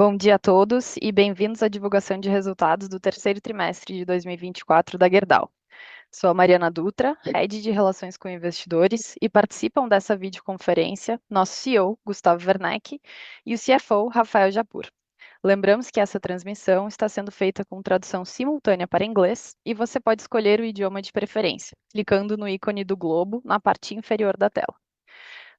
Bom dia a todos e bem-vindos à divulgação de resultados do terceiro trimestre de 2024 da Gerdau. Sou a Mariana Dutra, Head de Relações com Investidores, e participam dessa videoconferência nosso CEO, Gustavo Werneck, e o CFO, Rafael Japur. Lembramos que essa transmissão está sendo feita com tradução simultânea para inglês, e você pode escolher o idioma de preferência, clicando no ícone do globo na parte inferior da tela.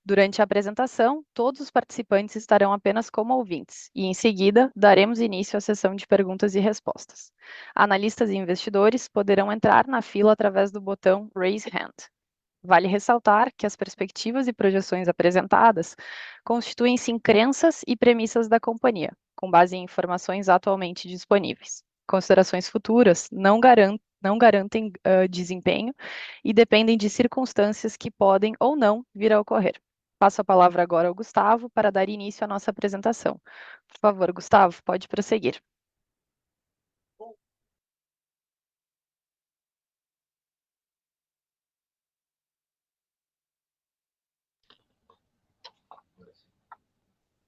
Durante a apresentação, todos os participantes estarão apenas como ouvintes, e, em seguida, daremos início à sessão de perguntas e respostas. Analistas e investidores poderão entrar na fila através do botão "Raise Hand". Vale ressaltar que as perspectivas e projeções apresentadas constituem-se em crenças e premissas da companhia, com base em informações atualmente disponíveis. Considerações futuras não garantem desempenho e dependem de circunstâncias que podem ou não vir a ocorrer. Passo a palavra agora ao Gustavo para dar início à nossa apresentação. Por favor, Gustavo, pode prosseguir.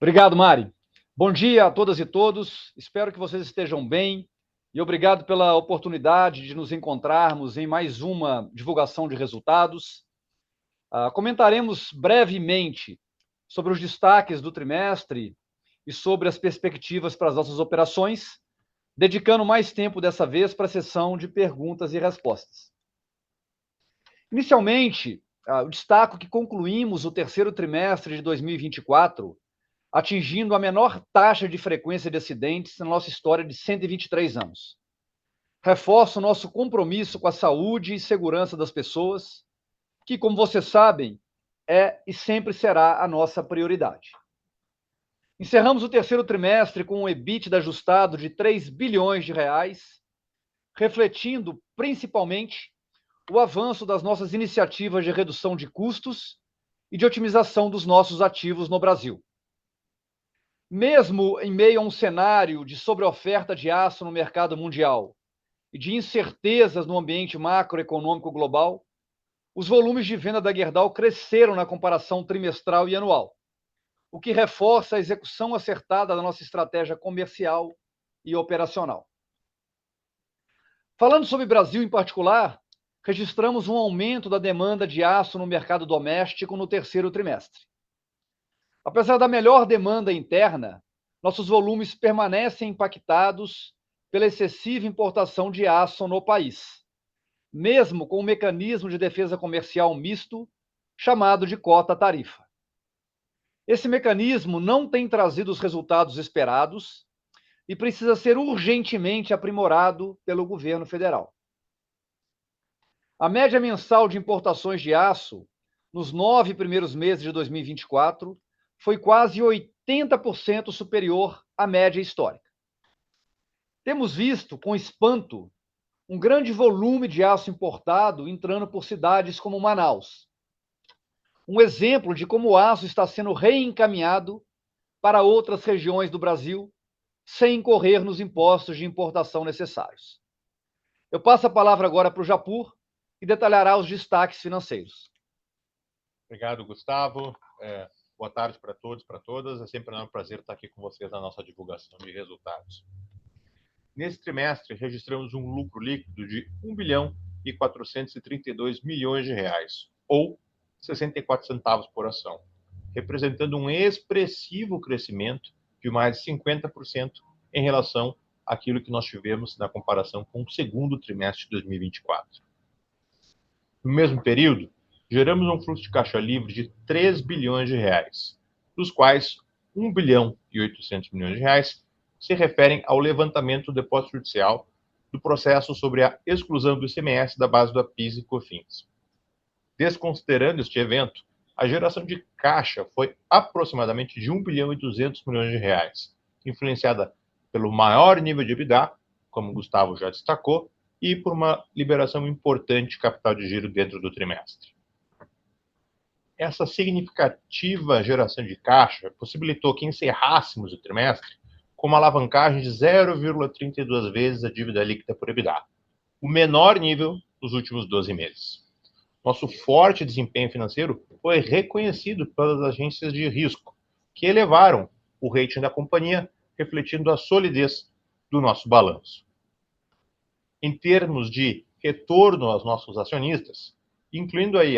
Obrigado, Mari. Bom dia a todas e todos. Espero que vocês estejam bem, e obrigado pela oportunidade de nos encontrarmos em mais uma divulgação de resultados. Comentaremos brevemente sobre os destaques do trimestre e sobre as perspectivas para as nossas operações, dedicando mais tempo dessa vez para a sessão de perguntas e respostas. Inicialmente, eu destaco que concluímos o terceiro trimestre de 2024 atingindo a menor taxa de frequência de acidentes na nossa história de 123 anos. Reforço nosso compromisso com a saúde e segurança das pessoas, que, como vocês sabem, é e sempre será a nossa prioridade. Encerramos o terceiro trimestre com EBITDA ajustado de R$ 3 bilhões, refletindo principalmente o avanço das nossas iniciativas de redução de custos e de otimização dos nossos ativos no Brasil. Mesmo em meio a cenário de sobreoferta de aço no mercado mundial e de incertezas no ambiente macroeconômico global, os volumes de venda da Gerdau cresceram na comparação trimestral e anual, o que reforça a execução acertada da nossa estratégia comercial e operacional. Falando sobre o Brasil em particular, registramos aumento da demanda de aço no mercado doméstico no terceiro trimestre. Apesar da melhor demanda interna, nossos volumes permanecem impactados pela excessiva importação de aço no país, mesmo com o mecanismo de defesa comercial misto chamado de cota tarifa. Esse mecanismo não tem trazido os resultados esperados e precisa ser urgentemente aprimorado pelo Governo Federal. A média mensal de importações de aço nos nove primeiros meses de 2024 foi quase 80% superior à média histórica. Temos visto, com espanto, grande volume de aço importado entrando por cidades como Manaus, exemplo de como o aço está sendo reencaminhado para outras regiões do Brasil sem incorrer nos impostos de importação necessários. Eu passo a palavra agora para o Japur, que detalhará os destaques financeiros. Obrigado, Gustavo. Boa tarde para todos e para todas. É sempre o maior prazer estar aqui com vocês na nossa divulgação de resultados. Neste trimestre, registramos lucro líquido de R$ 1,432 bilhão, ou R$ 0,64 por ação, representando expressivo crescimento de mais de 50% em relação àquilo que nós tivemos na comparação com o segundo trimestre de 2024. No mesmo período, geramos fluxo de caixa livre de R$ 3 bilhões, dos quais R$ 1,8 bilhão se referem ao levantamento do depósito judicial do processo sobre a exclusão do ICMS da base do PIS e COFINS. Desconsiderando este evento, a geração de caixa foi aproximadamente de R$ 1,2 bilhão, influenciada pelo maior nível de EBITDA, como o Gustavo já destacou, e por uma liberação importante de capital de giro dentro do trimestre. Essa significativa geração de caixa possibilitou que encerrássemos o trimestre com uma alavancagem de 0,32 vezes a dívida líquida por EBITDA, o menor nível dos últimos 12 meses. Nosso forte desempenho financeiro foi reconhecido pelas agências de risco, que elevaram o rating da companhia, refletindo a solidez do nosso balanço. Em termos de retorno aos nossos acionistas, incluindo aí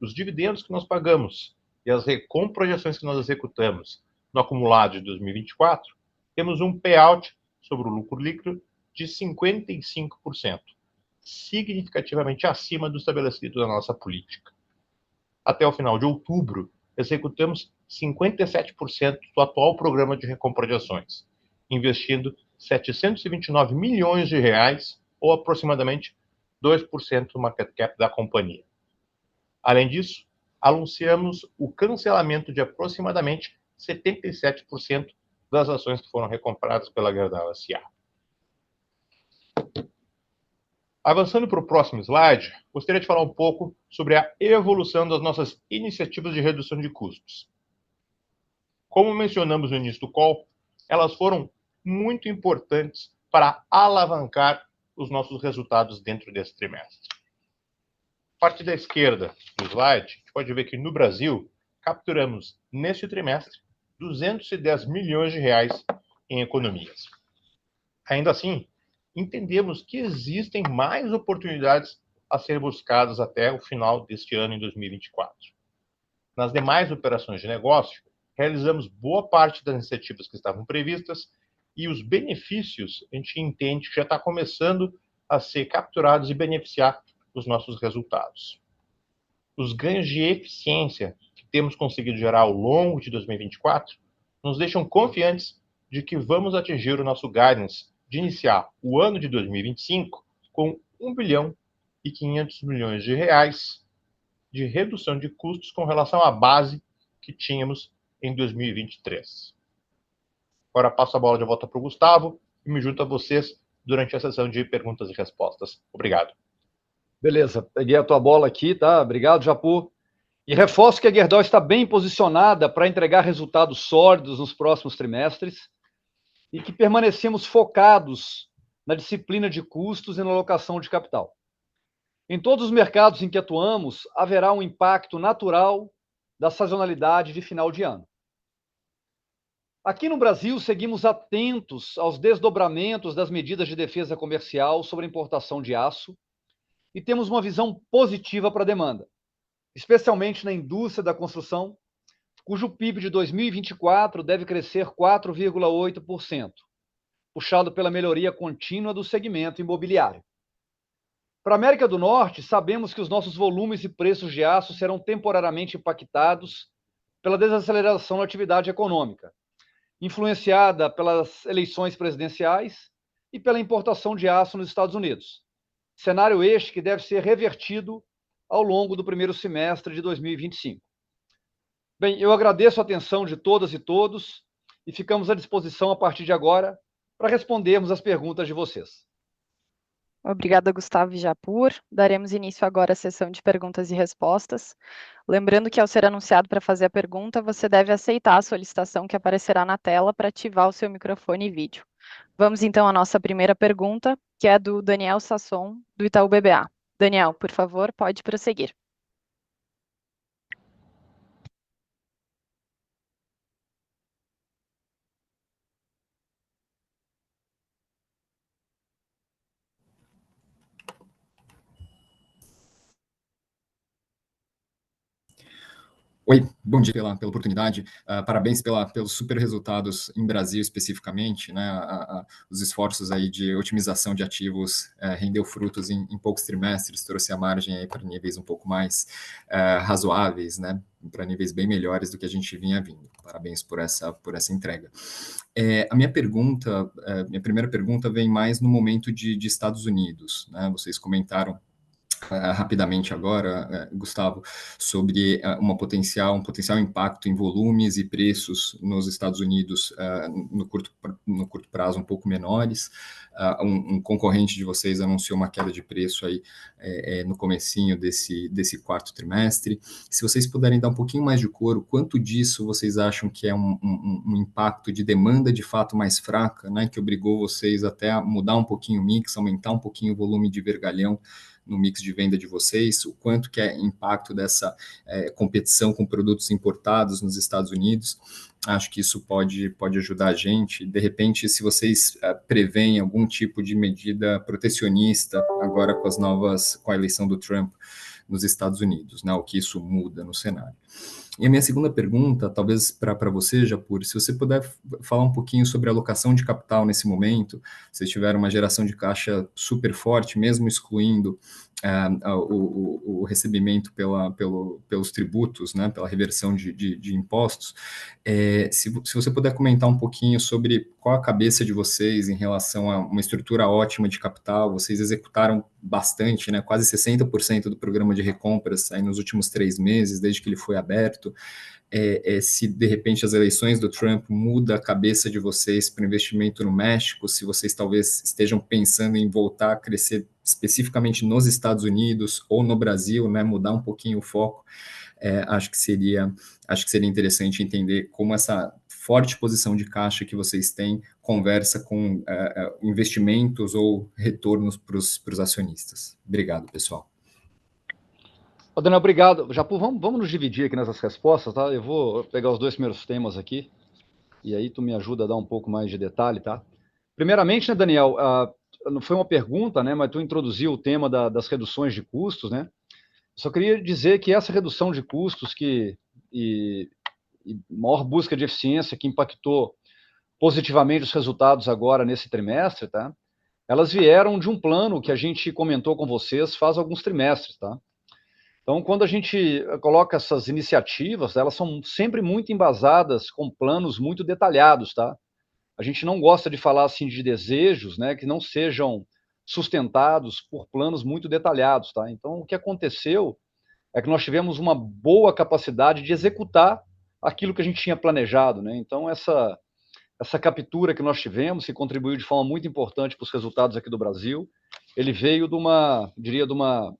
os dividendos que nós pagamos e as recompras que nós executamos no acumulado de 2024, temos payout sobre o lucro líquido de 55%, significativamente acima do estabelecido na nossa política. Até o final de outubro, executamos 57% do atual programa de recompra de ações, investindo R$ 729 milhões, ou aproximadamente 2% do market cap da companhia. Além disso, anunciamos o cancelamento de aproximadamente 77% das ações que foram recompradas pela Gerdau S.A. Avançando para o próximo slide, gostaria de falar um pouco sobre a evolução das nossas iniciativas de redução de custos. Como mencionamos no início do call, elas foram muito importantes para alavancar os nossos resultados dentro desse trimestre. A partir da esquerda do slide, a gente pode ver que no Brasil capturamos neste trimestre R$ 210 milhões em economias. Ainda assim, entendemos que existem mais oportunidades a serem buscadas até o final deste ano em 2024. Nas demais operações de negócio, realizamos boa parte das iniciativas que estavam previstas e os benefícios a gente entende que já estão começando a ser capturados e beneficiar os nossos resultados. Os ganhos de eficiência que temos conseguido gerar ao longo de 2024 nos deixam confiantes de que vamos atingir o nosso guidance de iniciar o ano de 2025 com R$ 1,5 bilhão de redução de custos com relação à base que tínhamos em 2023. Agora passo a bola de volta para o Gustavo e me junto a vocês durante a sessão de perguntas e respostas. Obrigado. Beleza, peguei a tua bola aqui, tá? Obrigado, Japur. E reforço que a Gerdau está bem posicionada para entregar resultados sólidos nos próximos trimestres e que permanecemos focados na disciplina de custos e na alocação de capital. Em todos os mercados em que atuamos, haverá impacto natural da sazonalidade de final de ano. Aqui no Brasil, seguimos atentos aos desdobramentos das medidas de defesa comercial sobre a importação de aço e temos uma visão positiva para a demanda, especialmente na indústria da construção, cujo PIB de 2024 deve crescer 4,8%, puxado pela melhoria contínua do segmento imobiliário. Para a América do Norte, sabemos que os nossos volumes e preços de aço serão temporariamente impactados pela desaceleração da atividade econômica, influenciada pelas eleições presidenciais e pela importação de aço nos Estados Unidos, cenário este que deve ser revertido ao longo do primeiro semestre de 2025. Bem, eu agradeço a atenção de todas e todos e ficamos à disposição a partir de agora para respondermos às perguntas de vocês. Obrigada, Gustavo e Japur. Daremos início agora à sessão de perguntas e respostas. Lembrando que, ao ser anunciado para fazer a pergunta, você deve aceitar a solicitação que aparecerá na tela para ativar o seu microfone e vídeo. Vamos então à nossa primeira pergunta, que é do Daniel Sasson, do Itaú BBA. Daniel, por favor, pode prosseguir. Oi, bom dia pela oportunidade. Parabéns pelos super resultados no Brasil, especificamente. Os esforços aí de otimização de ativos renderam frutos em poucos trimestres, trouxe a margem aí para níveis pouco mais razoáveis, para níveis bem melhores do que a gente vinha vindo. Parabéns por essa entrega. A minha pergunta, minha primeira pergunta vem mais no momento de Estados Unidos. Vocês comentaram rapidamente agora, Gustavo, sobre potencial impacto em volumes e preços nos Estados Unidos no curto prazo pouco menores. Concorrente de vocês anunciou uma queda de preço aí no comecinho desse quarto trimestre. Se vocês puderem dar pouquinho mais de cor, o quanto disso vocês acham que é impacto de demanda de fato mais fraca, que obrigou vocês até a mudar pouquinho o mix, aumentar pouquinho o volume de vergalhão no mix de venda de vocês, o quanto que é impacto dessa competição com produtos importados nos Estados Unidos. Acho que isso pode ajudar a gente. De repente, se vocês preveem algum tipo de medida protecionista agora com as novas, com a eleição do Trump nos Estados Unidos, o que isso muda no cenário. A minha segunda pergunta, talvez para você, Japur, se você puder falar pouquinho sobre a alocação de capital nesse momento, vocês tiveram uma geração de caixa super forte, mesmo excluindo o recebimento pelos tributos, pela reversão de impostos. Se você puder comentar pouquinho sobre qual a cabeça de vocês em relação a uma estrutura ótima de capital. Vocês executaram bastante, quase 60% do programa de recompras aí nos últimos três meses, desde que ele foi aberto. Se de repente as eleições do Trump mudam a cabeça de vocês para o investimento no México, se vocês talvez estejam pensando em voltar a crescer especificamente nos Estados Unidos ou no Brasil, mudar pouquinho o foco, acho que seria interessante entender como essa forte posição de caixa que vocês têm conversa com investimentos ou retornos para os acionistas. Obrigado, pessoal. Daniel, obrigado. Japur, vamos nos dividir aqui nessas respostas. Eu vou pegar os dois primeiros temas aqui e aí tu me ajuda a dar um pouco mais de detalhe, tá? Primeiramente, Daniel, foi uma pergunta, mas tu introduziu o tema das reduções de custos. Só queria dizer que essa redução de custos e maior busca de eficiência que impactou positivamente os resultados agora nesse trimestre, elas vieram de plano que a gente comentou com vocês faz alguns trimestres. Então, quando a gente coloca essas iniciativas, elas são sempre muito embasadas com planos muito detalhados. A gente não gosta de falar assim de desejos que não sejam sustentados por planos muito detalhados. Então, o que aconteceu é que nós tivemos uma boa capacidade de executar aquilo que a gente tinha planejado. Então, essa captura que nós tivemos, que contribuiu de forma muito importante para os resultados aqui do Brasil, veio de uma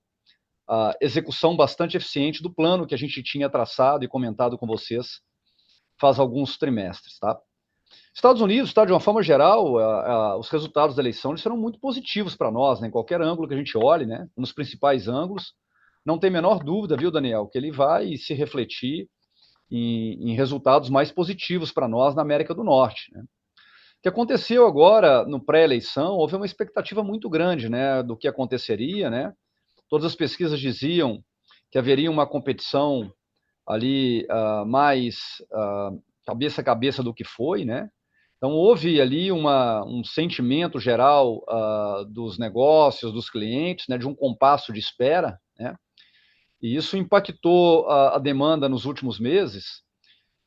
execução bastante eficiente do plano que a gente havia traçado e comentado com vocês há alguns trimestres. Estados Unidos, de uma forma geral, os resultados da eleição foram muito positivos para nós, em qualquer ângulo que a gente olhe, nos principais ângulos. Não há menor dúvida que ele vai se refletir em resultados mais positivos para nós na América do Norte. O que aconteceu agora no pré-eleição? Houve uma expectativa muito grande do que aconteceria. Todas as pesquisas diziam que haveria uma competição ali mais cabeça a cabeça do que foi. Então, houve ali sentimento geral dos negócios, dos clientes, de compasso de espera. Isso impactou a demanda nos últimos meses.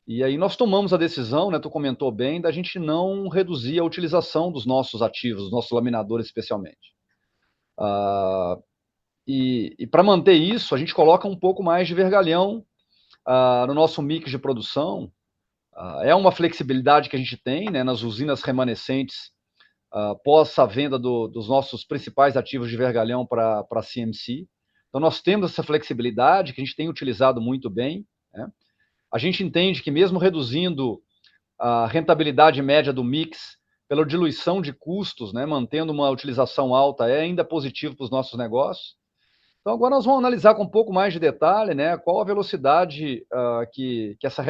E aí nós tomamos a decisão, tu comentou bem, da gente não reduzir a utilização dos nossos ativos, dos nossos laminadores, especialmente. Para manter isso, a gente coloca um pouco mais de vergalhão no nosso mix de produção. É uma flexibilidade que a gente tem nas usinas remanescentes pós-venda dos nossos principais ativos de vergalhão para a CMC. Então, nós temos essa flexibilidade que a gente tem utilizado muito bem. A gente entende que mesmo reduzindo a rentabilidade média do mix pela diluição de custos, mantendo uma utilização alta, é ainda positivo para os nossos negócios. Então, agora nós vamos analisar com um pouco mais de detalhe qual a velocidade que essa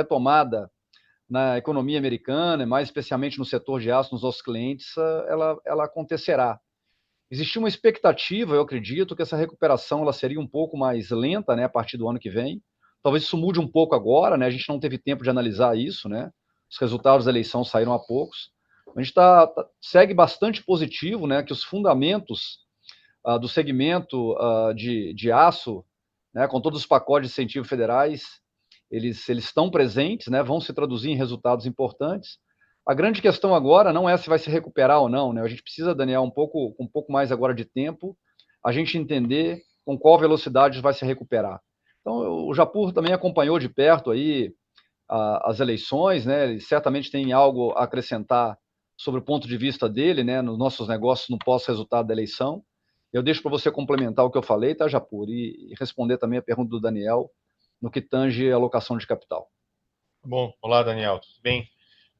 retomada na economia americana, e mais especialmente no setor de aço, nos nossos clientes, ela acontecerá. Existia uma expectativa, eu acredito, que essa recuperação seria um pouco mais lenta a partir do ano que vem. Talvez isso mude um pouco agora. A gente não teve tempo de analisar isso. Os resultados da eleição saíram há poucos. A gente segue bastante positivo que os fundamentos do segmento de aço, com todos os pacotes de incentivos federais, eles estão presentes, vão se traduzir em resultados importantes. A grande questão agora não é se vai se recuperar ou não. A gente precisa, Daniel, pouco mais agora de tempo, a gente entender com qual velocidade vai se recuperar. Então, o Japur também acompanhou de perto aí as eleições. Ele certamente tem algo a acrescentar sobre o ponto de vista dele nos nossos negócios no pós-resultado da eleição. Eu deixo para você complementar o que eu falei, Japur, e responder também à pergunta do Daniel no que tange à alocação de capital. Bom, olá, Daniel. Tudo bem?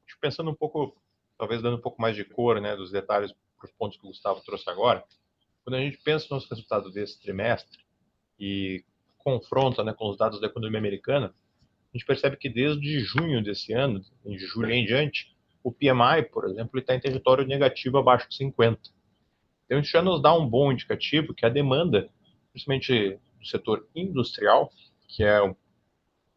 Acho que pensando um pouco, talvez dando um pouco mais de cor dos detalhes para os pontos que o Gustavo trouxe agora, quando a gente pensa nos resultados desse trimestre e confronta com os dados da economia americana, a gente percebe que desde junho desse ano, de julho em diante, o PMI, por exemplo, está em território negativo abaixo de 50. Então, isso já nos dá um bom indicativo que a demanda, principalmente do setor industrial, que é o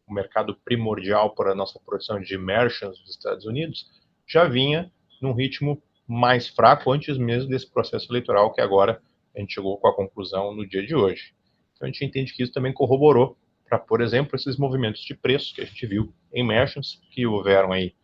mercado primordial para a nossa produção de merchants dos Estados Unidos, já vinha num ritmo mais fraco antes mesmo desse processo eleitoral que agora a gente chegou com a conclusão no dia de hoje. Então, a gente entende que isso também corroborou para, por exemplo, esses movimentos de preço que a gente viu em merchants que houveram aí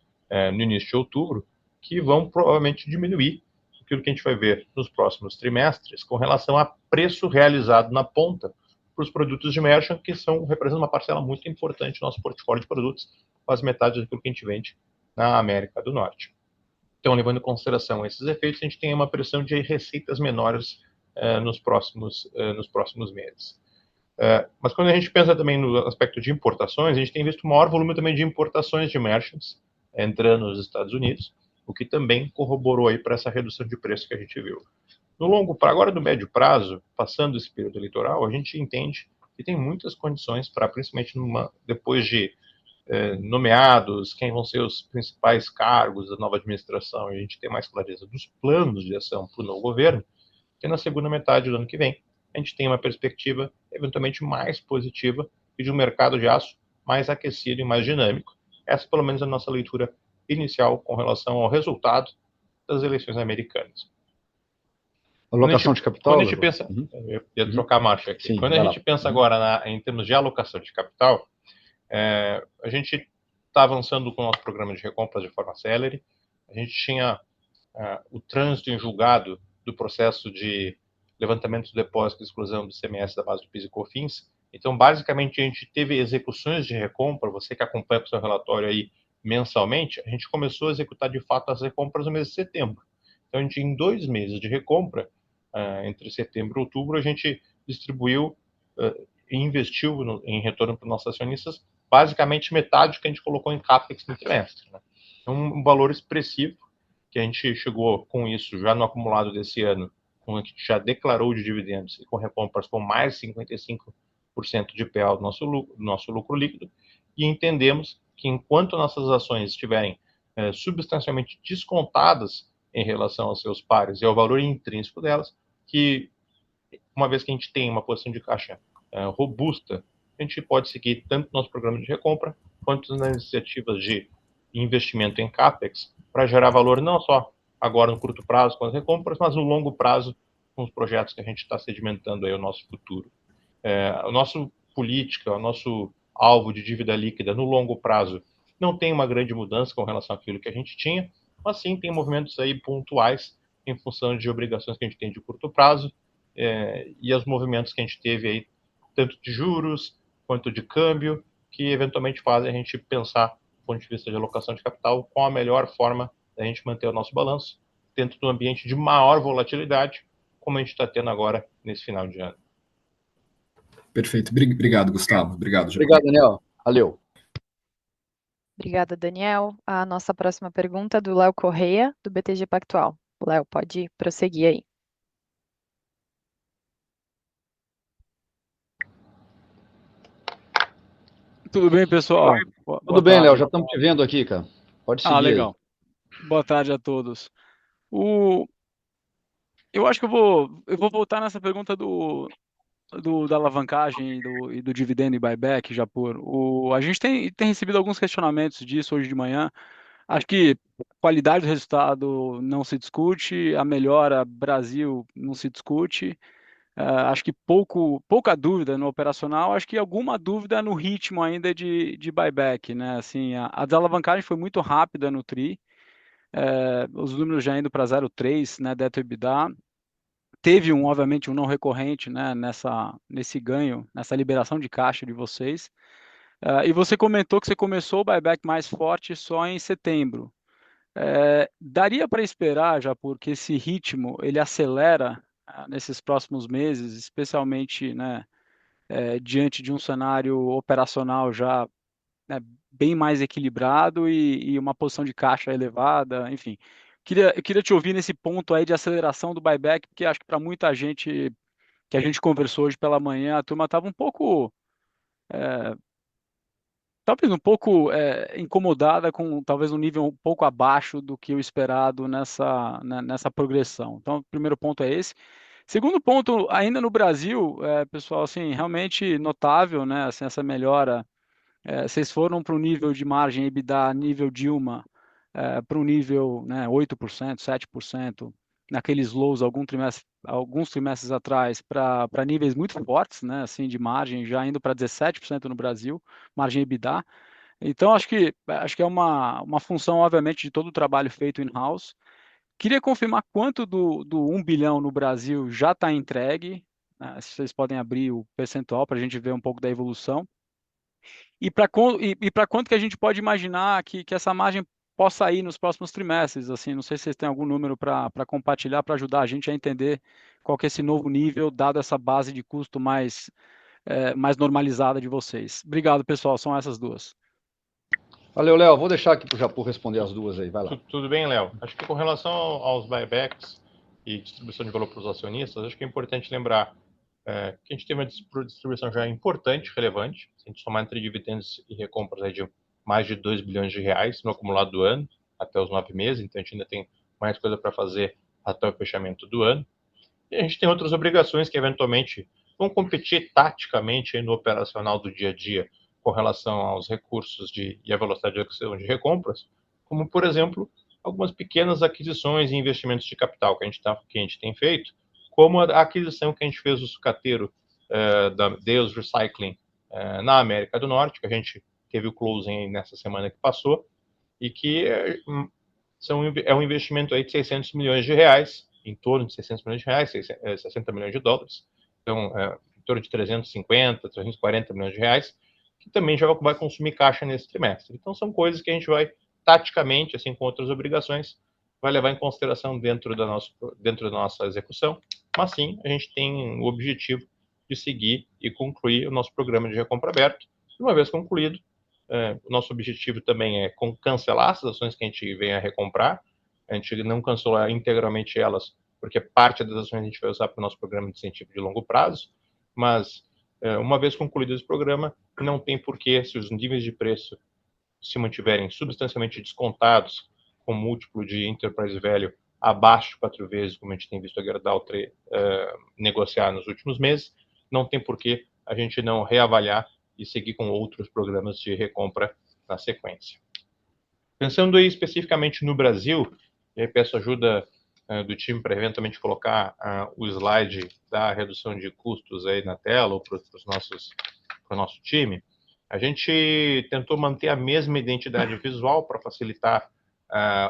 no início de outubro, que vão provavelmente diminuir aquilo que a gente vai ver nos próximos trimestres com relação a preço realizado na ponta para os produtos de merchants, que representam uma parcela muito importante do nosso portfólio de produtos, quase metade daquilo que a gente vende na América do Norte. Então, levando em consideração esses efeitos, a gente tem uma pressão de receitas menores nos próximos meses. Mas quando a gente pensa também no aspecto de importações, a gente tem visto maior volume também de importações de merchants entrando nos Estados Unidos, o que também corroborou aí para essa redução de preço que a gente viu. No longo prazo, agora no médio prazo, passando esse período eleitoral, a gente entende que tem muitas condições para, principalmente depois de nomeados quem vão ser os principais cargos da nova administração, a gente ter mais clareza dos planos de ação para o novo governo, que na segunda metade do ano que vem a gente tem uma perspectiva eventualmente mais positiva e de mercado de aço mais aquecido e mais dinâmico. Essa, pelo menos, é a nossa leitura inicial com relação ao resultado das eleições americanas. Alocação de capital? Quando a gente pensa... Eu ia trocar a marcha aqui. Quando a gente pensa agora em termos de alocação de capital, a gente está avançando com o nosso programa de recompras de forma célere. A gente tinha o trâmite enxugado do processo de levantamento de depósito e exclusão do ICMS da base do PIS e COFINS. Então, basicamente, a gente teve execuções de recompra. Você que acompanha o seu relatório aí mensalmente, a gente começou a executar de fato as recompras no mês de setembro. Então, a gente, em dois meses de recompra, entre setembro e outubro, a gente distribuiu e investiu em retorno para os nossos acionistas, basicamente metade do que a gente colocou em CAPEX no trimestre. É valor expressivo que a gente chegou com isso já no acumulado desse ano, com o que a gente já declarou de dividendos e com recompras com mais de 55% de pO do nosso lucro líquido. E entendemos que, enquanto nossas ações estiverem substancialmente descontadas em relação aos seus pares e ao valor intrínseco delas, que uma vez que a gente tem uma posição de caixa robusta, a gente pode seguir tanto no nosso programa de recompra quanto nas iniciativas de investimento em CAPEX para gerar valor não só agora no curto prazo com as recompras, mas no longo prazo com os projetos que a gente está sedimentando aí o nosso futuro. A nossa política, o nosso alvo de dívida líquida no longo prazo não tem uma grande mudança com relação àquilo que a gente tinha, mas sim tem movimentos aí pontuais em função de obrigações que a gente tem de curto prazo e os movimentos que a gente teve aí, tanto de juros quanto de câmbio, que eventualmente fazem a gente pensar do ponto de vista de alocação de capital qual a melhor forma da gente manter o nosso balanço dentro de ambiente de maior volatilidade, como a gente está tendo agora nesse final de ano. Perfeito. Obrigado, Gustavo. Obrigado, Japur. Obrigado, Daniel. Valeu. Obrigada, Daniel. A nossa próxima pergunta é do Léo Correia, do BTG Pactual. Léo, pode prosseguir aí. Tudo bem, pessoal? Tudo bem, Léo? Já estamos te vendo aqui, cara. Pode seguir. Legal. Boa tarde a todos. Eu acho que eu vou voltar nessa pergunta da alavancagem e do dividendo e buyback, Japur. A gente tem recebido alguns questionamentos disso hoje de manhã. Acho que a qualidade do resultado não se discute, a melhora Brasil não se discute. Acho que pouca dúvida no operacional. Acho que alguma dúvida no ritmo ainda de buyback. Assim, a desalavancagem foi muito rápida no trimestre. Os números já indo para 0,3, né, débito e EBITDA. Teve obviamente não recorrente nesse ganho, nessa liberação de caixa de vocês. E você comentou que você começou o buyback mais forte só em setembro. Daria para esperar, Japur, que esse ritmo ele acelera nesses próximos meses, especialmente né diante de cenário operacional já né bem mais equilibrado e uma posição de caixa elevada. Enfim, eu queria te ouvir nesse ponto aí de aceleração do buyback, porque acho que para muita gente que a gente conversou hoje pela manhã, a turma estava pouco incomodada com talvez nível pouco abaixo do que o esperado nessa progressão. Então, o primeiro ponto é esse. Segundo ponto, ainda no Brasil, pessoal, realmente notável essa melhora. Vocês foram para nível de margem EBITDA a nível Dilma para nível 8%, 7%, naqueles lows alguns trimestres atrás para níveis muito fortes de margem, já indo para 17% no Brasil, margem EBITDA. Então, acho que é uma função, obviamente, de todo o trabalho feito in-house. Queria confirmar quanto do R$ 1 bilhão no Brasil já está entregue. Se vocês podem abrir o percentual para a gente ver pouco da evolução. E para quanto que a gente pode imaginar que essa margem possa sair nos próximos trimestres? Assim, não sei se vocês têm algum número para compartilhar, para ajudar a gente a entender qual que é esse novo nível, dado essa base de custo mais normalizada de vocês. Obrigado, pessoal. São essas duas. Valeu, Leo. Vou deixar aqui para o Japur responder as duas aí. Vai lá. Tudo bem, Leo? Acho que com relação aos buybacks e distribuição de valor para os acionistas, acho que é importante lembrar que a gente tem uma distribuição já importante, relevante. Se a gente somar entre dividendos e recompras aí de mais de R$ 2 bilhões no acumulado do ano até os 9 meses, então a gente ainda tem mais coisa para fazer até o fechamento do ano. E a gente tem outras obrigações que eventualmente vão competir taticamente aí no operacional do dia a dia com relação aos recursos e à velocidade de execução de recompras, como, por exemplo, algumas pequenas aquisições e investimentos de capital que a gente tem feito, como a aquisição que a gente fez do sucateiro Dales Recycling na América do Norte, que a gente teve o closing nessa semana que passou e que é investimento aí de R$ 600 milhões, em torno de R$ 600 milhões, US$ 60 milhões, então em torno de R$ 350 milhões, R$ 340 milhões, que também já vai consumir caixa nesse trimestre. Então, são coisas que a gente vai taticamente, com outras obrigações, vai levar em consideração dentro da nossa execução, mas sim, a gente tem o objetivo de seguir e concluir o nosso programa de recompra aberto. E, uma vez concluído, o nosso objetivo também é cancelar as ações que a gente venha a recomprar. A gente não cancelou integralmente elas, porque parte das ações a gente vai usar para o nosso programa de incentivo de longo prazo, mas, uma vez concluído esse programa, não tem por que, se os níveis de preço se mantiverem substancialmente descontados, com o múltiplo de Enterprise Value abaixo de 4 vezes, como a gente tem visto a Gerdau negociar nos últimos meses, não tem por que a gente não reavaliar e seguir com outros programas de recompra na sequência. Pensando aí especificamente no Brasil, eu peço ajuda do time para eventualmente colocar o slide da redução de custos aí na tela para o nosso time. A gente tentou manter a mesma identidade visual para facilitar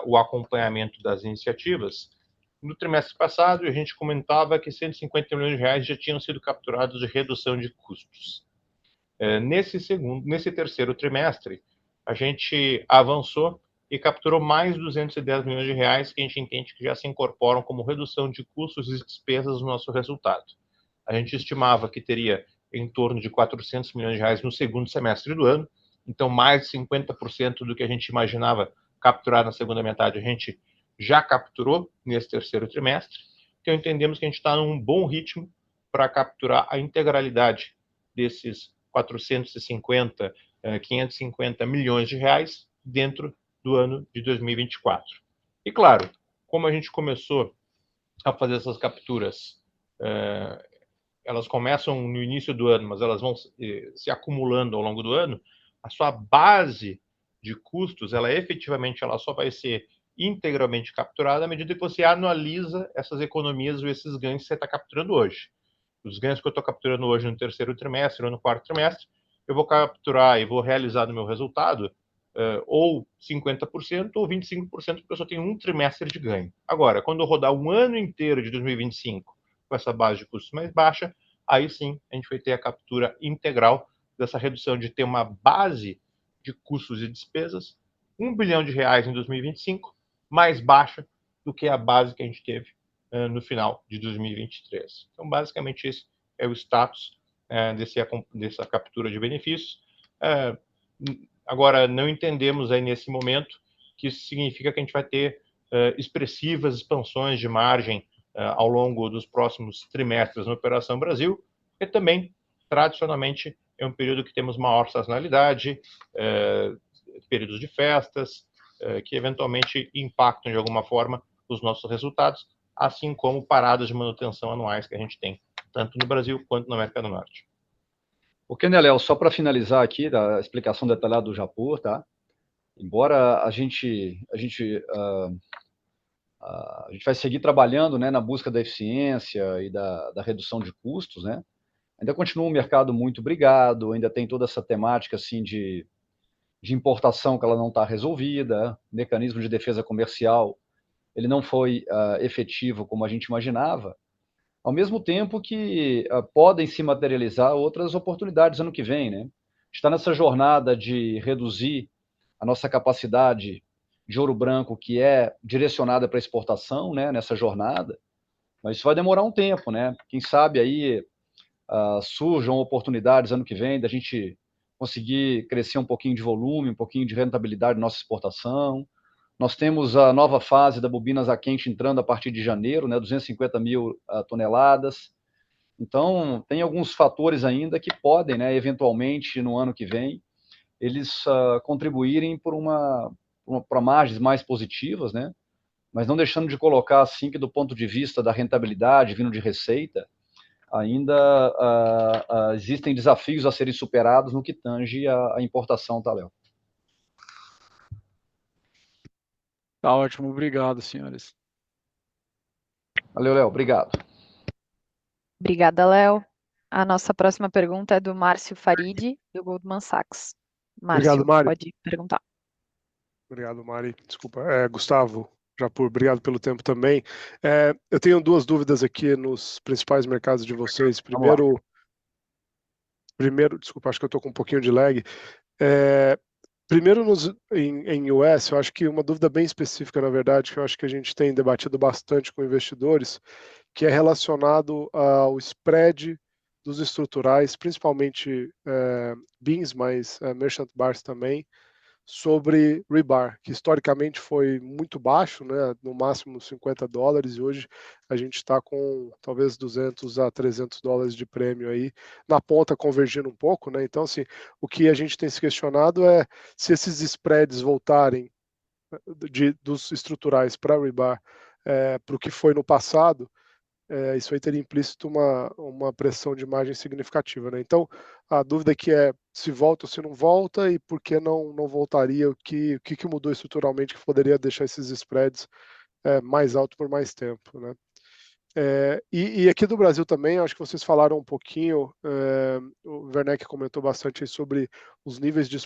o acompanhamento das iniciativas. No trimestre passado, a gente comentava que R$ 150 milhões já tinham sido capturados de redução de custos. Nesse terceiro trimestre, a gente avançou e capturou mais R$ 210 milhões que a gente entende que já se incorporam como redução de custos e despesas no nosso resultado. A gente estimava que teria em torno de R$ 400 milhões no segundo semestre do ano, então mais de 50% do que a gente imaginava capturar na segunda metade a gente já capturou nesse terceiro trimestre, porque entendemos que a gente está num bom ritmo para capturar a integralidade desses R$ 450, R$ 550 milhões dentro do ano de 2024. E, claro, como a gente começou a fazer essas capturas, elas começam no início do ano, mas elas vão se acumulando ao longo do ano. A sua base de custos, ela efetivamente só vai ser integralmente capturada à medida que você analisa essas economias ou esses ganhos que você está capturando hoje. Os ganhos que eu estou capturando hoje no terceiro trimestre ou no quarto trimestre, eu vou capturar e vou realizar no meu resultado ou 50% ou 25%, porque eu só tenho trimestre de ganho. Agora, quando eu rodar o ano inteiro de 2025 com essa base de custos mais baixa, aí sim a gente vai ter a captura integral dessa redução de ter uma base de custos e despesas R$ 1 bilhão em 2025, mais baixa do que a base que a gente teve no final de 2023. Então, basicamente, esse é o status dessa captura de benefícios. Agora, não entendemos aí nesse momento que isso significa que a gente vai ter expressivas expansões de margem ao longo dos próximos trimestres na operação Brasil, porque também, tradicionalmente, é período que temos maior sazonalidade, períodos de festas, que eventualmente impactam de alguma forma os nossos resultados, assim como paradas de manutenção anuais que a gente tem tanto no Brasil quanto na América do Norte. Ok, Leo, só para finalizar aqui a explicação detalhada do Japur, tá? Embora a gente vai seguir trabalhando na busca da eficiência e da redução de custos, né? Ainda continua o mercado muito brigado, ainda tem toda essa temática de importação que ela não está resolvida, mecanismo de defesa comercial, ele não foi efetivo como a gente imaginava, ao mesmo tempo que podem se materializar outras oportunidades ano que vem, né? A gente está nessa jornada de reduzir a nossa capacidade de ouro branco, que é direcionada para a exportação, né, nessa jornada, mas isso vai demorar tempo, né? Quem sabe surjam oportunidades ano que vem da gente conseguir crescer pouquinho de volume, pouquinho de rentabilidade da nossa exportação. Nós temos a nova fase da bobina a quente entrando a partir de janeiro, né? 250 mil toneladas. Então, tem alguns fatores ainda que podem, né, eventualmente, no ano que vem, eles contribuírem para margens mais positivas, né? Mas não deixando de colocar assim que do ponto de vista da rentabilidade, vindo de receita, ainda existem desafios a serem superados no que tange à importação, tá, Leo? Está ótimo, obrigado, senhores. Valeu, Leo, obrigado. Obrigada, Leo. A nossa próxima pergunta é do Márcio Faridi, do Goldman Sachs. Márcio, você pode perguntar. Obrigado, Mari. Desculpa. É Gustavo Japur, obrigado pelo tempo também. Eu tenho duas dúvidas aqui nos principais mercados de vocês. Primeiro, desculpa, acho que eu estou com pouquinho de lag. Primeiro, nos EUA, eu acho que uma dúvida bem específica, na verdade, que eu acho que a gente tem debatido bastante com investidores, que é relacionado ao spread dos estruturais, principalmente Beams, mas Merchant Bars também, sobre rebar, que historicamente foi muito baixo, né? No máximo $50, e hoje a gente está com talvez $200 a $300 de prêmio aí, na ponta convergindo pouco, né? O que a gente tem se questionado é se esses spreads voltarem dos estruturais para rebar, para o que foi no passado, isso aí teria implícito uma pressão de margem significativa, né? Então, a dúvida aqui é se volta ou se não volta e por que não voltaria, o que mudou estruturalmente que poderia deixar esses spreads mais altos por mais tempo, né? Do Brasil também, eu acho que vocês falaram pouquinho, o Werneck comentou bastante aí sobre os níveis de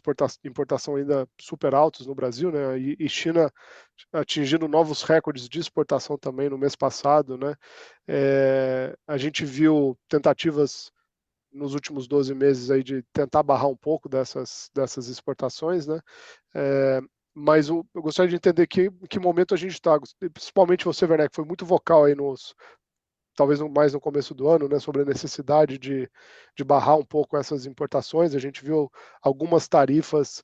importação ainda super altos no Brasil, né? A China atingindo novos recordes de exportação também no mês passado, né? A gente viu tentativas nos últimos 12 meses aí de tentar barrar pouco dessas exportações, né? Mas eu gostaria de entender em que momento a gente está, principalmente você, Werneck, foi muito vocal aí nos, talvez mais no começo do ano, né? Sobre a necessidade de barrar um pouco essas importações, a gente viu algumas tarifas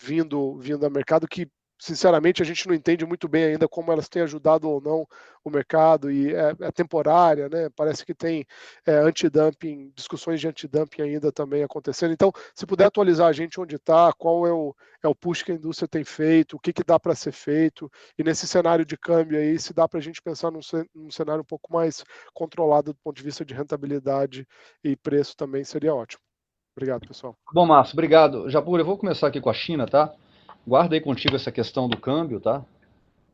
vindo ao mercado que, sinceramente, a gente não entende muito bem ainda como elas têm ajudado ou não o mercado e é temporária, né? Parece que tem antidumping, discussões de antidumping ainda também acontecendo. Então, se puder atualizar a gente onde está, qual é o push que a indústria tem feito, o que que dá para ser feito e nesse cenário de câmbio aí, se dá para a gente pensar num cenário um pouco mais controlado do ponto de vista de rentabilidade e preço também seria ótimo. Obrigado, pessoal. Tá bom, Márcio, obrigado. Japur, eu vou começar aqui com a China, tá? Guardo aí contigo essa questão do câmbio, tá?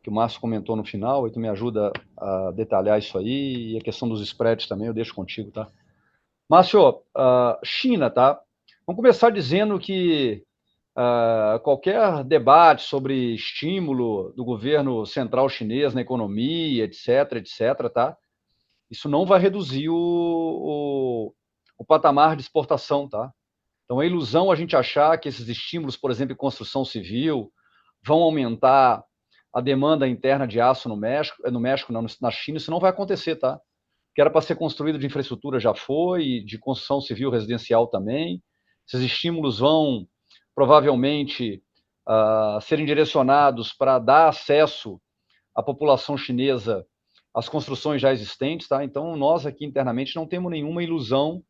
Que o Márcio comentou no final, aí tu me ajuda a detalhar isso aí e a questão dos spreads também eu deixo contigo, tá? Márcio, China, tá? Vamos começar dizendo que qualquer debate sobre estímulo do governo central chinês na economia, etc., etc., tá? Isso não vai reduzir o patamar de exportação, tá? Então, é ilusão a gente achar que esses estímulos, por exemplo, de construção civil, vão aumentar a demanda interna de aço na China, isso não vai acontecer, tá? Que era para ser construído de infraestrutura, já foi, de construção civil residencial também, esses estímulos vão provavelmente ser direcionados para dar acesso à população chinesa às construções já existentes, tá? Então, nós aqui internamente não temos nenhuma ilusão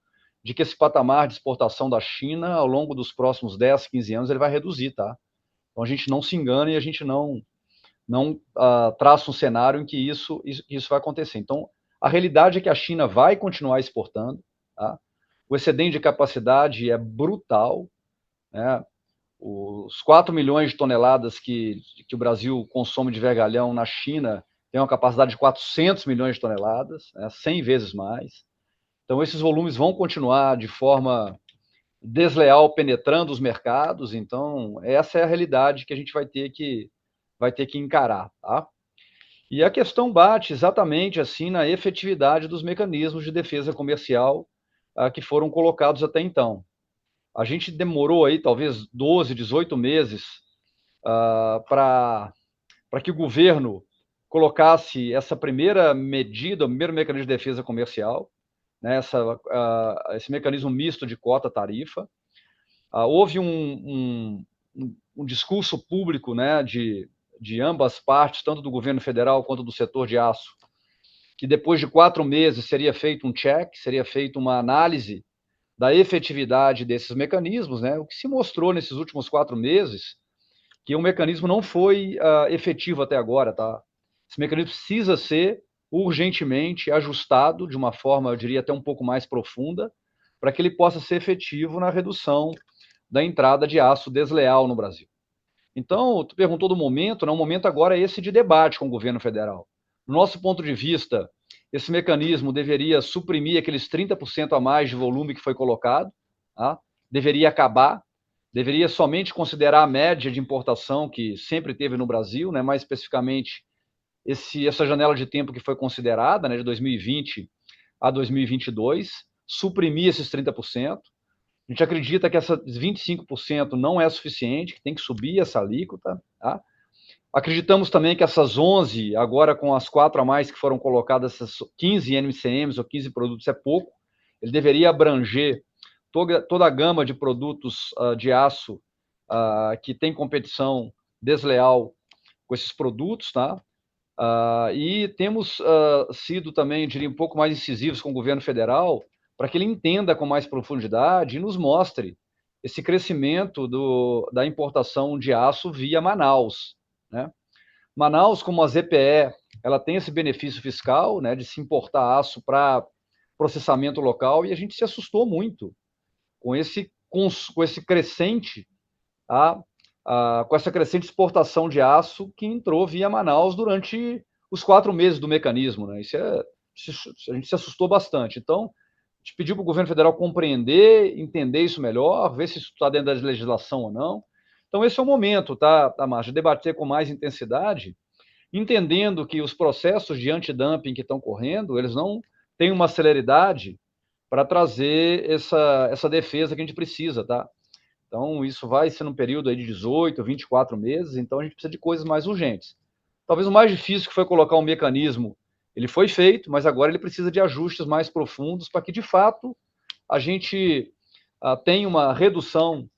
de que esse patamar de exportação da China ao longo dos próximos 10, 15 anos ele vai reduzir. Então, a gente não se engana e a gente não traça cenário em que isso vai acontecer. Então, a realidade é que a China vai continuar exportando. O excedente de capacidade é brutal. Os 4 milhões de toneladas que o Brasil consome de vergalhão na China tem uma capacidade de 400 milhões de toneladas, 100 vezes mais. Então, esses volumes vão continuar de forma desleal penetrando os mercados, então essa é a realidade que a gente vai ter que encarar. E a questão bate exatamente assim na efetividade dos mecanismos de defesa comercial que foram colocados até então. A gente demorou aí talvez 12, 18 meses para que o governo colocasse essa primeira medida, o primeiro mecanismo de defesa comercial, né? Esse mecanismo misto de cota tarifa. Houve discurso público, né? De ambas as partes, tanto do governo federal quanto do setor de aço, que depois de 4 meses seria feito check, seria feita uma análise da efetividade desses mecanismos, né? O que se mostrou nesses últimos 4 meses que o mecanismo não foi efetivo até agora, tá? Esse mecanismo precisa ser urgentemente ajustado de uma forma, eu diria até pouco mais profunda, para que ele possa ser efetivo na redução da entrada de aço desleal no Brasil. Então, tu perguntou do momento, né? O momento agora é esse de debate com o governo federal. No nosso ponto de vista, esse mecanismo deveria suprimir aqueles 30% a mais de volume que foi colocado, tá? Deveria acabar, deveria somente considerar a média de importação que sempre teve no Brasil, né? Mais especificamente essa janela de tempo que foi considerada, né? De 2020 a 2022, suprimir esses 30%. A gente acredita que esses 25% não é suficiente, que tem que subir essa alíquota, tá? Acreditamos também que essas 11, agora com as 4 a mais que foram colocadas, essas 15 NCMs ou 15 produtos, é pouco. Ele deveria abranger toda a gama de produtos de aço que tem competição desleal com esses produtos, tá? Temos sido também, eu diria, um pouco mais incisivos com o governo federal para que ele entenda com mais profundidade e nos mostre esse crescimento da importação de aço via Manaus, né? Manaus, como a ZPE, ela tem esse benefício fiscal, né? De se importar aço para processamento local e a gente se assustou muito com esse crescente, com essa crescente exportação de aço que entrou via Manaus durante os 4 meses do mecanismo. Isso é, a gente se assustou bastante. Então, a gente pediu para o governo federal compreender, entender isso melhor, ver se isso está dentro da legislação ou não. Então, esse é o momento, Márcio, de debater com mais intensidade, entendendo que os processos de antidumping que estão correndo, eles não têm uma celeridade para trazer essa defesa que a gente precisa. Então, isso vai ser num período aí de 18, 24 meses, então a gente precisa de coisas mais urgentes. Talvez o mais difícil que foi colocar mecanismo, ele foi feito, mas agora ele precisa de ajustes mais profundos para que de fato a gente tenha uma redução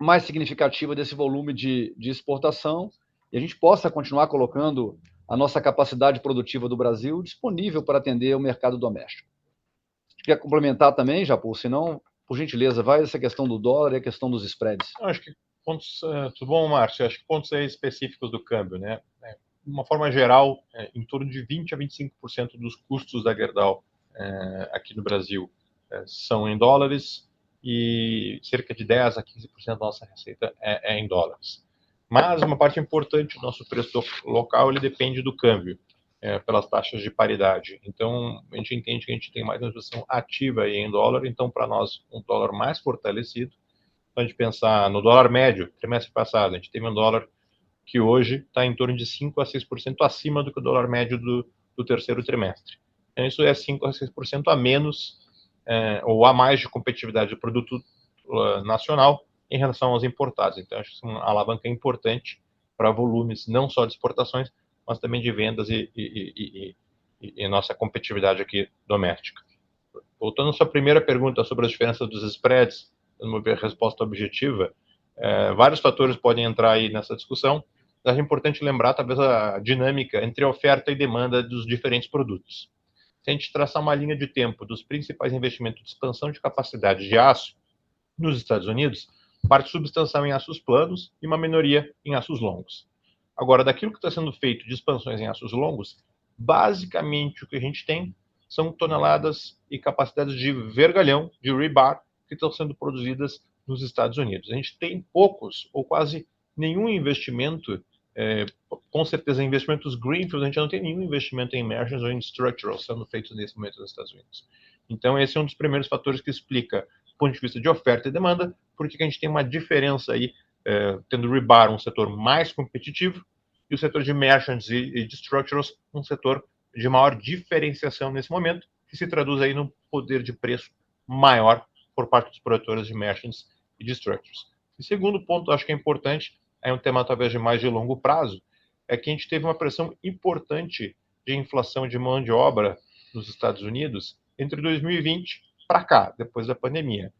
mais significativa desse volume de exportação e a gente possa continuar colocando a nossa capacidade produtiva do Brasil disponível para atender o mercado doméstico. Acho que ia complementar também, Japur, se não, por gentileza, vai essa questão do dólar e a questão dos spreads. Acho que pontos, tudo bom, Márcio? Acho que pontos aí específicos do câmbio, né? De uma forma geral, em torno de 20% a 25% dos custos da Gerdau aqui no Brasil são em dólares e cerca de 10% a 15% da nossa receita é em dólares. Mas uma parte importante do nosso preço local ele depende do câmbio, pelas taxas de paridade. Então, a gente entende que a gente tem mais uma exposição ativa aí em dólar, então para nós dólar mais fortalecido. Então a gente pensar no dólar médio, trimestre passado, a gente teve dólar que hoje está em torno de 5% a 6% acima do que o dólar médio do terceiro trimestre. Então, isso é 5% a 6% a menos ou a mais de competitividade do produto nacional em relação aos importados. Então, acho que isso é uma alavanca importante para volumes não só de exportações, mas também de vendas e nossa competitividade aqui doméstica. Voltando à sua primeira pergunta sobre as diferenças dos spreads, dando uma resposta objetiva, vários fatores podem entrar nessa discussão, mas é importante lembrar talvez a dinâmica entre a oferta e demanda dos diferentes produtos. Se a gente traçar uma linha de tempo dos principais investimentos de expansão de capacidade de aço nos Estados Unidos, parte substancial em aços planos e uma minoria em aços longos. Agora, daquilo que está sendo feito de expansões em aços longos, basicamente o que a gente tem são toneladas e capacidades de vergalhão, de rebar, que estão sendo produzidas nos Estados Unidos. A gente tem poucos ou quase nenhum investimento, é com certeza investimentos Greenfield, a gente não tem nenhum investimento em emergence ou em structural sendo feito nesse momento nos Estados Unidos. Então, esse é dos primeiros fatores que explica do ponto de vista de oferta e demanda, porque a gente tem uma diferença aí, é tendo rebar setor mais competitivo e o setor de emergence e de structural setor de maior diferenciação nesse momento, que se traduz aí num poder de preço maior por parte dos produtores de emergence e de structural. E segundo ponto, acho que é importante, é tema talvez de mais de longo prazo, é que a gente teve uma pressão importante de inflação de mão de obra nos Estados Unidos entre 2020 para cá, depois da pandemia.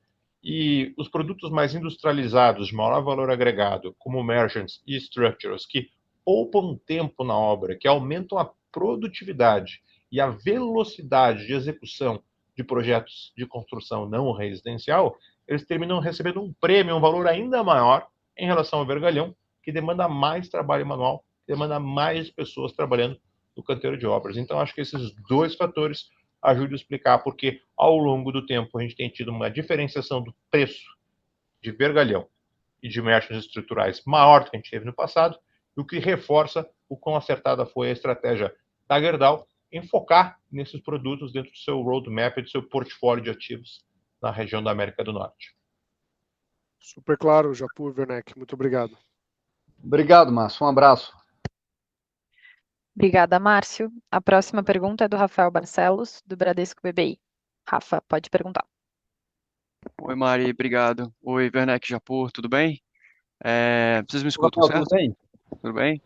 E os produtos mais industrializados de maior valor agregado, como emergência e estrutural, que poupam tempo na obra, que aumentam a produtividade e a velocidade de execução de projetos de construção não residencial, eles terminam recebendo prêmio, valor ainda maior em relação ao vergalhão, que demanda mais trabalho manual, que demanda mais pessoas trabalhando no canteiro de obras. Então, acho que esses dois fatores ajudam a explicar por que ao longo do tempo a gente tem tido uma diferenciação do preço de vergalhão e de emergência estruturais maior do que a gente teve no passado, e o que reforça o quão acertada foi a estratégia da Gerdau em focar nesses produtos dentro do seu roadmap e do seu portfólio de ativos na região da América do Norte. Super claro, Japur, Werneck, muito obrigado. Obrigado, Márcio, abraço. Obrigada, Márcio. A próxima pergunta é do Rafael Barcellos, do Bradesco BBI. Rafa, pode perguntar. Oi, Mari, obrigado. Oi, Werneck, Japur, tudo bem? Vocês me escutam certo? Tudo bem. Tudo bem?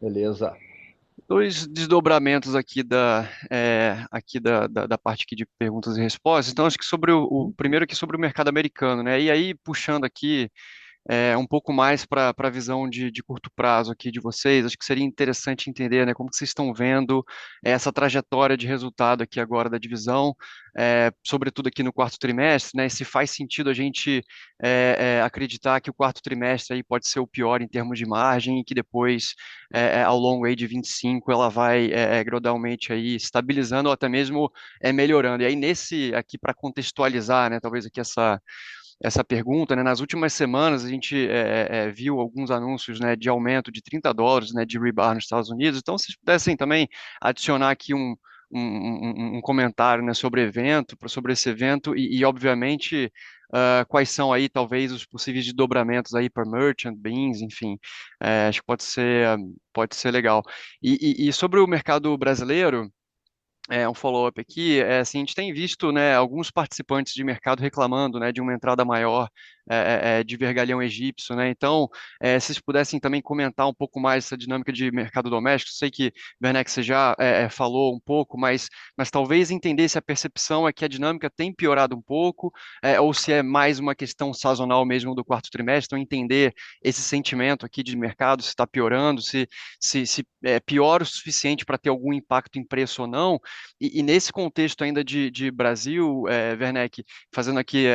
Beleza. Dois desdobramentos aqui da parte de perguntas e respostas. Então, acho que sobre o primeiro aqui sobre o mercado americano, né? Puxando aqui um pouco mais para a visão de curto prazo de vocês, acho que seria interessante entender, né, como vocês estão vendo essa trajetória de resultado aqui agora da divisão, sobretudo aqui no quarto trimestre, né? E se faz sentido a gente acreditar que o quarto trimestre pode ser o pior em termos de margem e que depois ao longo de 2025 ela vai gradualmente estabilizando ou até mesmo melhorando. Para contextualizar essa pergunta, né, nas últimas semanas a gente viu alguns anúncios, né, de aumento de $30 de rebar nos Estados Unidos. Então, se vocês pudessem também adicionar aqui comentário sobre evento, sobre esse evento e obviamente quais são aí talvez os possíveis desdobramentos aí para merchant, bins, enfim, acho que pode ser legal. E sobre o mercado brasileiro, é follow-up aqui, assim, a gente tem visto alguns participantes de mercado reclamando de uma entrada maior de vergalhão egípcio. Então, se vocês pudessem também comentar um pouco mais essa dinâmica de mercado doméstico, sei que Werneck, você já falou um pouco, mas talvez entender se a percepção é que a dinâmica tem piorado um pouco ou se é mais uma questão sazonal mesmo do quarto trimestre, então entender esse sentimento aqui de mercado, se está piorando, se é pior o suficiente para ter algum impacto em preço ou não. E nesse contexto ainda de Brasil, Werneck, fazendo aqui,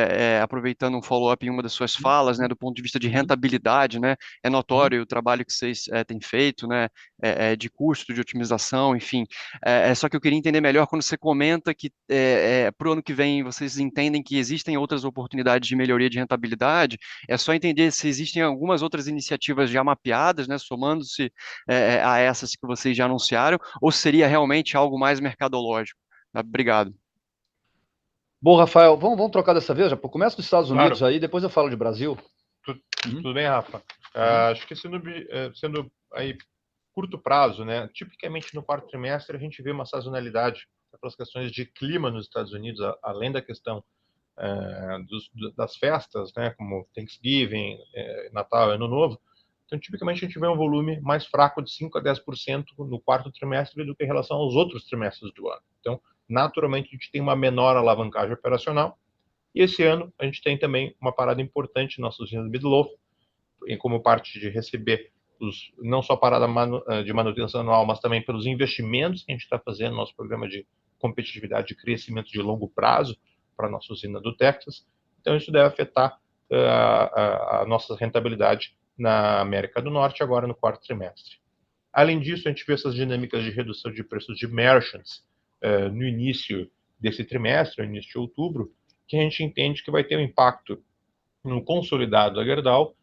aproveitando follow-up em uma das suas falas, né, do ponto de vista de rentabilidade, né, é notório o trabalho que vocês têm feito, né, de custo de otimização, enfim. É só que eu queria entender melhor quando você comenta que para o ano que vem vocês entendem que existem outras oportunidades de melhoria de rentabilidade, só entender se existem algumas outras iniciativas já mapeadas, né, somando-se a essas que vocês já anunciaram ou seria realmente algo mais mercadológico. Obrigado. Bom, Rafael, vamos trocar dessa vez, Japur, começa dos Estados Unidos aí, depois eu falo do Brasil. Tudo bem, Rafa? Acho que sendo de curto prazo, né, tipicamente no quarto trimestre a gente vê uma sazonalidade pelas questões de clima nos Estados Unidos, além da questão das festas, né, como Thanksgiving, Natal, Ano Novo. Então, tipicamente a gente vê volume mais fraco de 5% a 10% no quarto trimestre do que em relação aos outros trimestres do ano. Então, naturalmente a gente tem uma menor alavancagem operacional e esse ano a gente tem também uma parada importante nas usinas de Biddeford como parte de receber não só a parada de manutenção anual, mas também pelos investimentos que a gente está fazendo no nosso programa de competitividade de crescimento de longo prazo para a nossa usina do Texas. Então, isso deve afetar a nossa rentabilidade na América do Norte agora no quarto trimestre. Além disso, a gente vê essas dinâmicas de redução de preços de merchants no início desse trimestre, no início de outubro, que a gente entende que vai ter impacto no consolidado da Gerdau,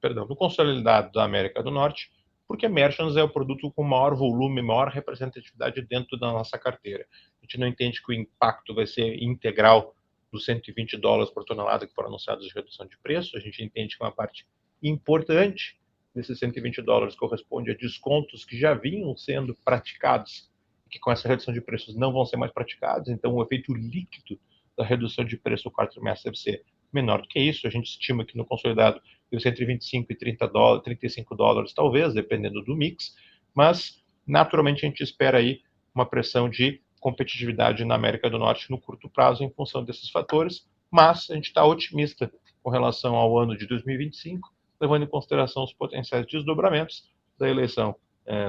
perdão, no consolidado da América do Norte, porque merchants é o produto com maior volume, maior representatividade dentro da nossa carteira. A gente não entende que o impacto vai ser integral dos US$ 120 por tonelada que foram anunciados de redução de preço. A gente entende que uma parte importante desses US$ 120 corresponde a descontos que já vinham sendo praticados e que com essa redução de preços não vão ser mais praticados. Então, o efeito líquido da redução de preço no quarto trimestre deve ser menor do que isso. A gente estima que no consolidado deu $125 e $30, $35 talvez, dependendo do mix, mas naturalmente a gente espera aí uma pressão de competitividade na América do Norte no curto prazo em função desses fatores, mas a gente está otimista com relação ao ano de 2025, levando em consideração os potenciais desdobramentos da eleição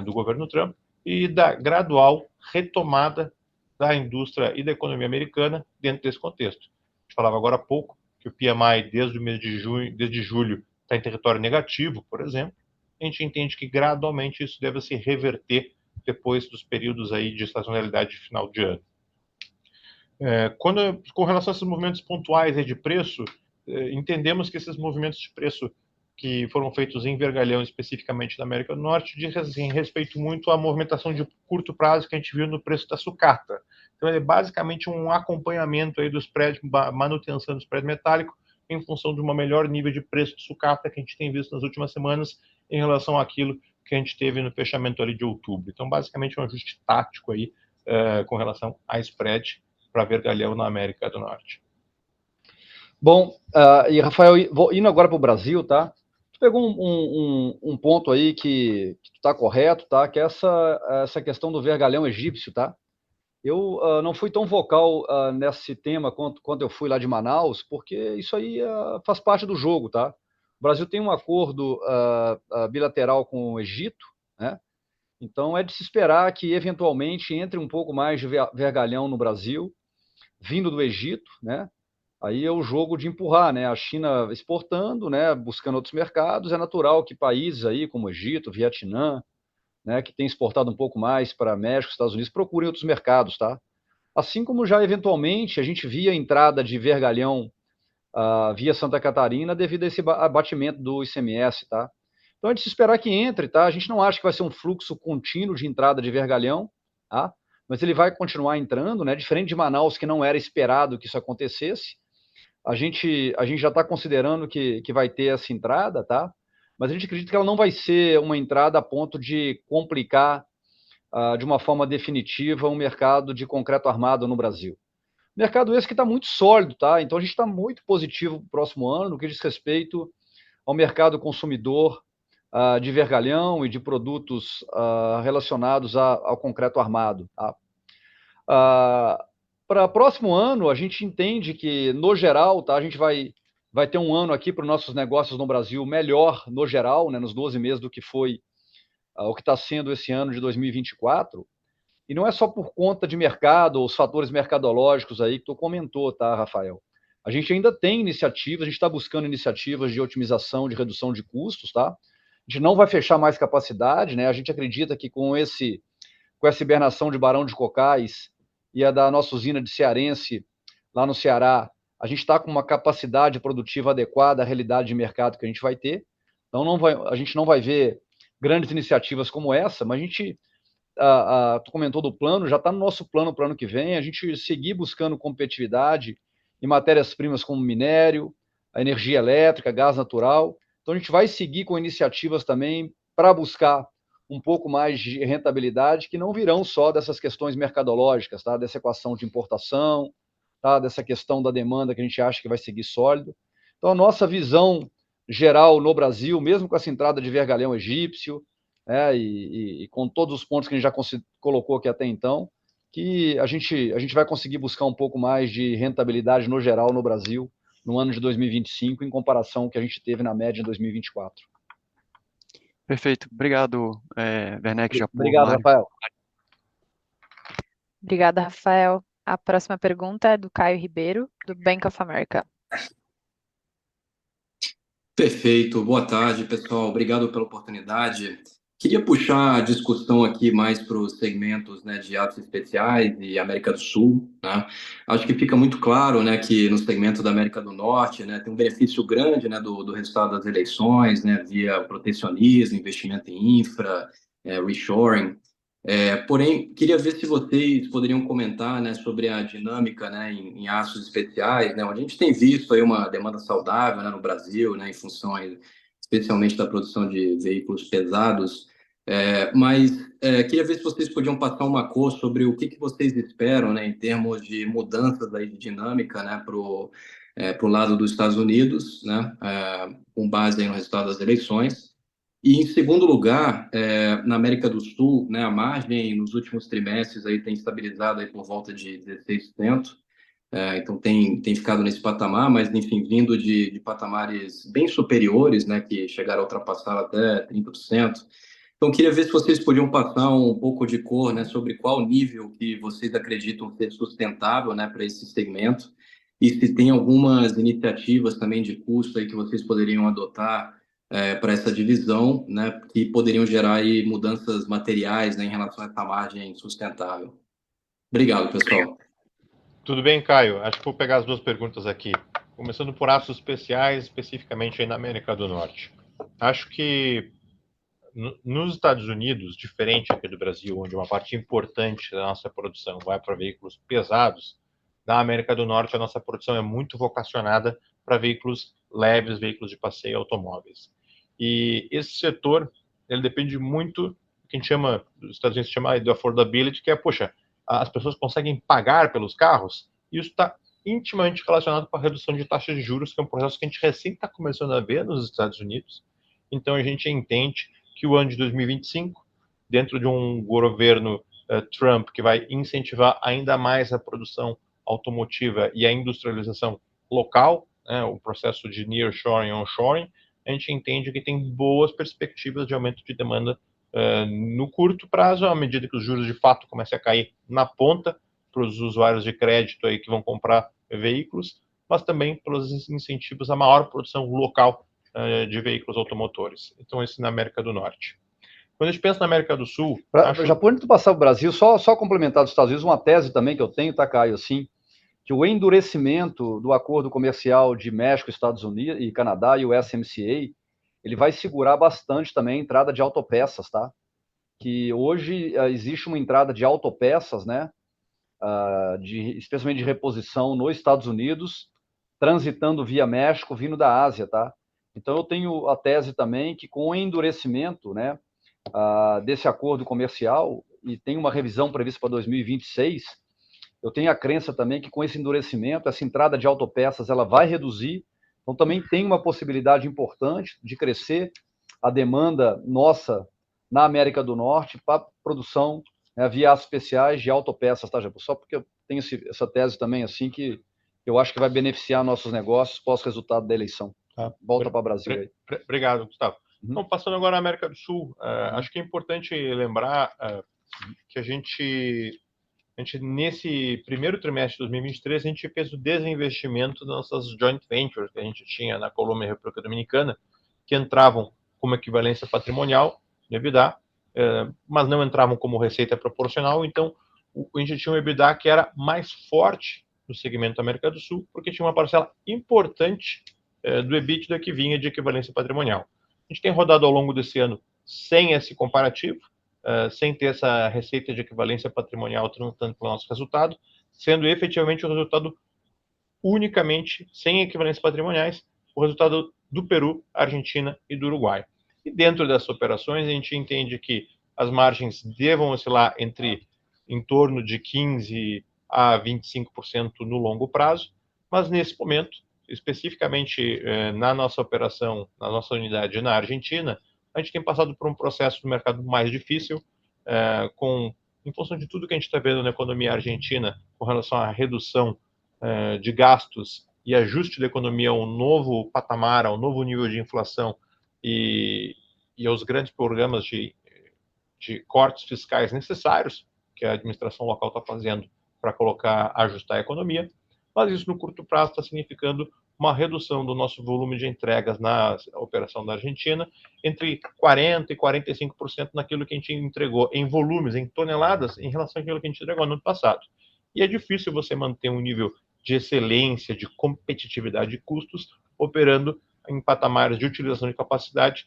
do governo Trump e da gradual retomada da indústria e da economia americana dentro desse contexto. A gente falava agora há pouco que o PMI desde o mês de junho, desde julho, está em território negativo, por exemplo, a gente entende que gradualmente isso deva se reverter depois dos períodos de sazonalidade de final de ano. Quando com relação a esses movimentos pontuais de preço, entendemos que esses movimentos de preço que foram feitos em vergalhão especificamente da América do Norte dizem respeito muito à movimentação de curto prazo que a gente viu no preço da sucata. Então, ele é basicamente acompanhamento dos spreads, manutenção dos spreads metálicos em função de um melhor nível de preço de sucata que a gente tem visto nas últimas semanas em relação àquilo que a gente teve no fechamento de outubro. Então, basicamente é ajuste tático com relação a spread para vergalhão na América do Norte. Bom, e Rafael, vou indo agora para o Brasil, tá? Tu pegou ponto aí que tu está correto, tá? Que é essa questão do vergalhão egípcio, tá? Eu não fui tão vocal nesse tema quanto quando eu fui lá de Manaus, porque isso aí faz parte do jogo, tá? O Brasil tem acordo bilateral com o Egito, né? Então, é de se esperar que eventualmente entre pouco mais de vergalhão no Brasil, vindo do Egito, né? Aí é o jogo de empurrar, né? A China exportando, né? Buscando outros mercados, é natural que países aí como o Egito, Vietnã, né? Que têm exportado pouco mais para México, Estados Unidos, procurem outros mercados, tá? Assim como já eventualmente a gente via a entrada de vergalhão via Santa Catarina devido a esse abatimento do ICMS, tá? Então, é de se esperar que entre, tá? A gente não acha que vai ser fluxo contínuo de entrada de vergalhão, tá? Mas ele vai continuar entrando, né? Diferente de Manaus, que não era esperado que isso acontecesse, a gente já está considerando que vai ter essa entrada, tá? Mas a gente acredita que ela não vai ser uma entrada a ponto de complicar de uma forma definitiva o mercado de concreto armado no Brasil. O mercado esse que está muito sólido, tá? Então, a gente está muito positivo para o próximo ano no que diz respeito ao mercado consumidor de vergalhão e de produtos relacionados ao concreto armado. Para o próximo ano, a gente entende que no geral, tá? A gente vai ter ano aqui para os nossos negócios no Brasil melhor no geral, né? Nos 12 meses do que foi o que está sendo esse ano de 2024. E não é só por conta de mercado ou os fatores mercadológicos que tu comentou, tá, Rafael. A gente ainda tem iniciativas, a gente está buscando iniciativas de otimização, de redução de custos, tá? A gente não vai fechar mais capacidade, né? A gente acredita que com essa hibernação de Barão de Cocais e a da nossa usina de Cearense lá no Ceará, a gente está com uma capacidade produtiva adequada à realidade de mercado que a gente vai ter. Então, a gente não vai ver grandes iniciativas como essa, mas, tu comentou do plano, já está no nosso plano para o ano que vem, a gente seguir buscando competitividade em matérias-primas como minério, energia elétrica, gás natural. Então, a gente vai seguir com iniciativas também para buscar um pouco mais de rentabilidade que não virão só dessas questões mercadológicas, tá? Dessa equação de importação, tá? Dessa questão da demanda que a gente acha que vai seguir sólida. Então, a nossa visão geral no Brasil, mesmo com essa entrada de vergalhão egípcio, né? E com todos os pontos que a gente já colocou aqui até então, que a gente vai conseguir buscar pouco mais de rentabilidade no geral no Brasil no ano de 2025 em comparação ao que a gente teve na média em 2024. Perfeito. Obrigado, Werneck, Japur. Obrigado, Rafael. Obrigada, Rafael. A próxima pergunta é do Caio Ribeiro, do Bank of America. Perfeito. Boa tarde, pessoal. Obrigado pela oportunidade. Queria puxar a discussão aqui mais para os segmentos de aços especiais e América do Sul. Acho que fica muito claro que no segmento da América do Norte tem benefício grande do resultado das eleições via protecionismo, investimento em infraestrutura, reshoring. Porém, queria ver se vocês poderiam comentar sobre a dinâmica em aços especiais, onde a gente tem visto aí uma demanda saudável no Brasil em função, especialmente, da produção de veículos pesados. Mas queria ver se vocês podiam passar uma cor sobre o que vocês esperam em termos de mudanças de dinâmica para o lado dos Estados Unidos com base no resultado das eleições. E em segundo lugar, na América do Sul. A margem nos últimos trimestres tem estabilizado por volta de 16%. Então tem ficado nesse patamar, mas vindo de patamares bem superiores, né? Que chegaram a ultrapassar até 30%. Então, queria ver se vocês podiam passar um pouco de cor sobre qual nível que vocês acreditam ser sustentável para esse segmento e se tem algumas iniciativas também de custo que vocês poderiam adotar para essa divisão que poderiam gerar mudanças materiais em relação a essa margem sustentável. Obrigado, pessoal. Tudo bem, Caio? Acho que vou pegar as duas perguntas aqui. Começando por aços especiais, especificamente na América do Norte. Acho que nos Estados Unidos, diferente aqui do Brasil, onde uma parte importante da nossa produção vai para veículos pesados, na América do Norte a nossa produção é muito vocacionada para veículos leves, veículos de passeio e automóveis. E esse setor, ele depende muito do que a gente chama, os Estados Unidos chamam aí de affordability, que é, poxa, as pessoas conseguem pagar pelos carros e isso está intimamente relacionado com a redução de taxas de juros, que é processo que a gente recém está começando a ver nos Estados Unidos. Então, a gente entende que o ano de 2025, dentro de governo Trump que vai incentivar ainda mais a produção automotiva e a industrialização local, né? O processo de nearshoring e onshoring, a gente entende que tem boas perspectivas de aumento de demanda no curto prazo, à medida que os juros de fato começam a cair na ponta para os usuários de crédito aí que vão comprar veículos, mas também pelos incentivos à maior produção local de veículos automotores. Então, isso na América do Norte. Quando a gente pensa na América do Sul. Japão, antes de passar para o Brasil, só complementar dos Estados Unidos, uma tese também que eu tenho, tá, Caio, assim, que o endurecimento do acordo comercial de México, Estados Unidos e Canadá e o USMCA, ele vai segurar bastante também a entrada de autopeças, tá? Que hoje existe uma entrada de autopeças, né? De especialmente de reposição nos Estados Unidos, transitando via México, vindo da Ásia, tá? Então, eu tenho a tese também que com o endurecimento, né? Desse acordo comercial e tem uma revisão prevista para 2026, eu tenho a crença também que com esse endurecimento, essa entrada de autopeças, ela vai reduzir. Então, também tem uma possibilidade importante de crescer a demanda nossa na América do Norte para a produção via aços especiais de autopeças, tá, Japão? Só porque eu tenho essa tese também assim que eu acho que vai beneficiar nossos negócios pós-resultado da eleição. Volta para o Brasil aí. Obrigado, Gustavo. Então, passando agora na América do Sul, acho que é importante lembrar que a gente, nesse primeiro trimestre de 2023, fez o desinvestimento das nossas joint ventures que tínhamos na Colômbia e República Dominicana, que entravam como equivalência patrimonial no EBITDA, mas não entravam como receita proporcional. Então, tínhamos EBITDA que era mais forte no segmento da América do Sul, porque tinha uma parcela importante do EBITDA que vinha de equivalência patrimonial. Temos rodado ao longo desse ano sem esse comparativo, sem ter essa receita de equivalência patrimonial tanto para o nosso resultado, sendo efetivamente o resultado unicamente sem equivalências patrimoniais, o resultado do Peru, Argentina e do Uruguai. E dentro dessas operações, a gente entende que as margens devam oscilar entre em torno de 15% a 25% no longo prazo, mas nesse momento, especificamente na nossa operação, na nossa unidade na Argentina, a gente tem passado por processo do mercado mais difícil, em função de tudo que a gente está vendo na economia argentina com relação à redução de gastos e ajuste da economia ao novo patamar, ao novo nível de inflação e aos grandes programas de cortes fiscais necessários, que a administração local está fazendo para colocar, ajustar a economia, mas isso no curto prazo está significando uma redução do nosso volume de entregas na operação da Argentina, entre 40% e 45% naquilo que a gente entregou em volumes, em toneladas, em relação àquilo que a gente entregou no ano passado. É difícil você manter nível de excelência, de competitividade de custos, operando em patamares de utilização de capacidade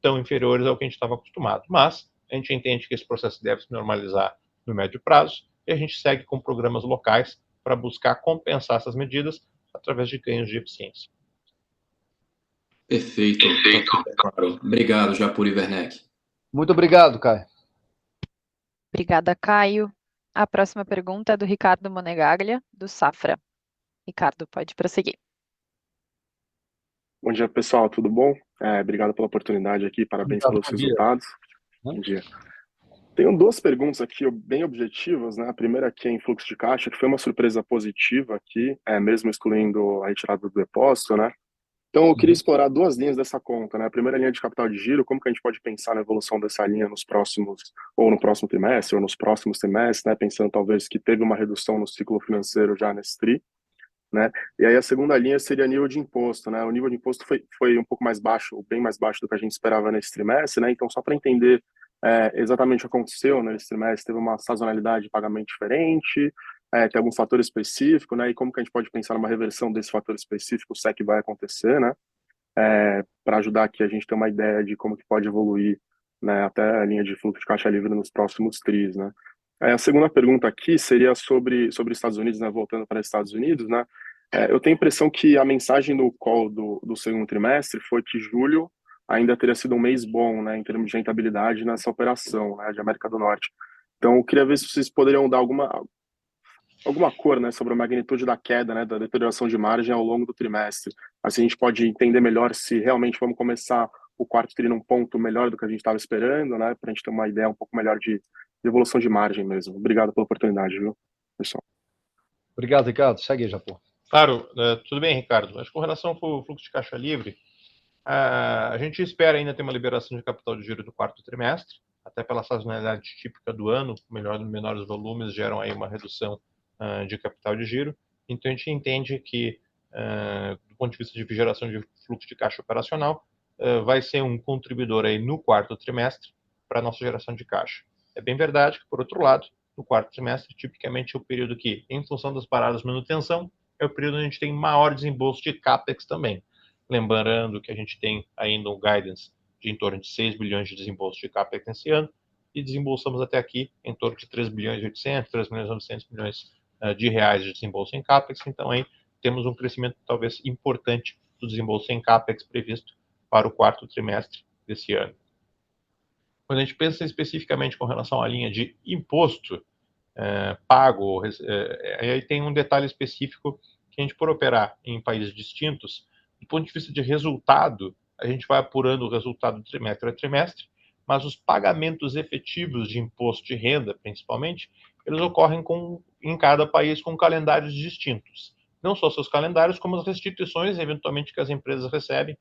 tão inferiores ao que a gente estava acostumado, mas a gente entende que esse processo deve se normalizar no médio prazo e a gente segue com programas locais para buscar compensar essas medidas através de ganhos de eficiência. Perfeito. Perfeito, obrigado, Japur e Werneck. Muito obrigado, Caio. Obrigada, Caio. A próxima pergunta é do Ricardo Monegaglia, do Safra. Ricardo, pode prosseguir. Bom dia, pessoal, tudo bom? Obrigado pela oportunidade aqui, parabéns pelos resultados. Bom dia. Tenho duas perguntas aqui, bem objetivas. A primeira aqui é em fluxo de caixa, que foi uma surpresa positiva aqui, mesmo excluindo a retirada do depósito. Então, eu queria explorar duas linhas dessa conta. A primeira linha de capital de giro, como que a gente pode pensar na evolução dessa linha nos próximos, ou no próximo trimestre, ou nos próximos trimestres? Pensando talvez que teve uma redução no ciclo financeiro já nesse tri. E aí a segunda linha seria nível de imposto. O nível de imposto foi pouco mais baixo, ou bem mais baixo do que a gente esperava nesse trimestre. Então, só para entender é exatamente o que aconteceu nesse trimestre, teve uma sazonalidade de pagamento diferente, é tem algum fator específico? E como que a gente pode pensar numa reversão desse fator específico, se é que vai acontecer, né? É para ajudar aqui a gente ter uma ideia de como que pode evoluir, né? Até a linha de fluxo de caixa livre nos próximos trimestres, né? A segunda pergunta aqui seria sobre os Estados Unidos, né? Voltando para os Estados Unidos, né? Eu tenho a impressão que a mensagem do call do segundo trimestre foi que julho ainda teria sido mês bom, né? Em termos de rentabilidade nessa operação, né? De América do Norte. Então, eu queria ver se vocês poderiam dar alguma cor, né? Sobre a magnitude da queda, né? Da deterioração de margem ao longo do trimestre, assim a gente pode entender melhor se realmente vamos começar o quarto trimestre num ponto melhor do que a gente estava esperando, né? Para a gente ter uma ideia um pouco melhor de evolução de margem mesmo. Obrigado pela oportunidade, viu, pessoal. Obrigado, Ricardo. Segue, Japur. Claro, tudo bem, Ricardo. Acho que com relação ao fluxo de caixa livre, a gente espera ainda ter uma liberação de capital de giro do quarto trimestre, até pela sazonalidade típica do ano. Menores volumes geram aí uma redução de capital de giro. Então, a gente entende que, do ponto de vista de geração de fluxo de caixa operacional, vai ser contribuidor aí no quarto trimestre para a nossa geração de caixa. É bem verdade que, por outro lado, no quarto trimestre, tipicamente é o período que, em função das paradas de manutenção, é o período onde a gente tem maior desembolso de CAPEX também. Lembrando que a gente tem ainda guidance de em torno de R$ 6 bilhões de desembolso de CAPEX nesse ano e desembolsamos até aqui em torno de R$ 3,8 bilhões a R$ 3,9 bilhões de reais de desembolso em CAPEX. Então, aí temos crescimento talvez importante do desembolso em CAPEX previsto para o quarto trimestre desse ano. Quando a gente pensa especificamente com relação à linha de imposto pago, aí tem detalhe específico que a gente, por operar em países distintos, do ponto de vista de resultado, a gente vai apurando o resultado trimestre a trimestre, mas os pagamentos efetivos de imposto de renda, principalmente, eles ocorrem em cada país com calendários distintos, não só os seus calendários, como as restituições, eventualmente, que as empresas recebem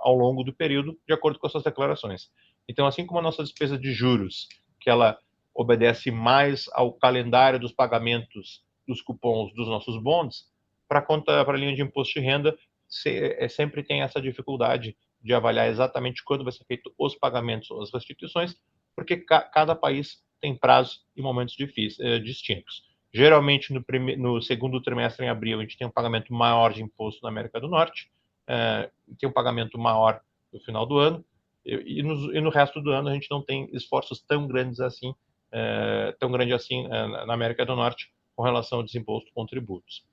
ao longo do período, de acordo com as suas declarações. Então, assim como a nossa despesa de juros, que ela obedece mais ao calendário dos pagamentos dos cupons dos nossos bonds, para a linha de imposto de renda, sempre tem essa dificuldade de avaliar exatamente quando vai ser feito os pagamentos ou as restituições, porque cada país tem prazos e momentos distintos. Geralmente, no primeiro e no segundo trimestre, em abril, a gente tem pagamento maior de imposto na América do Norte, tem pagamento maior no final do ano e no resto do ano a gente não tem esforços tão grandes assim na América do Norte com relação ao desembolso com tributos.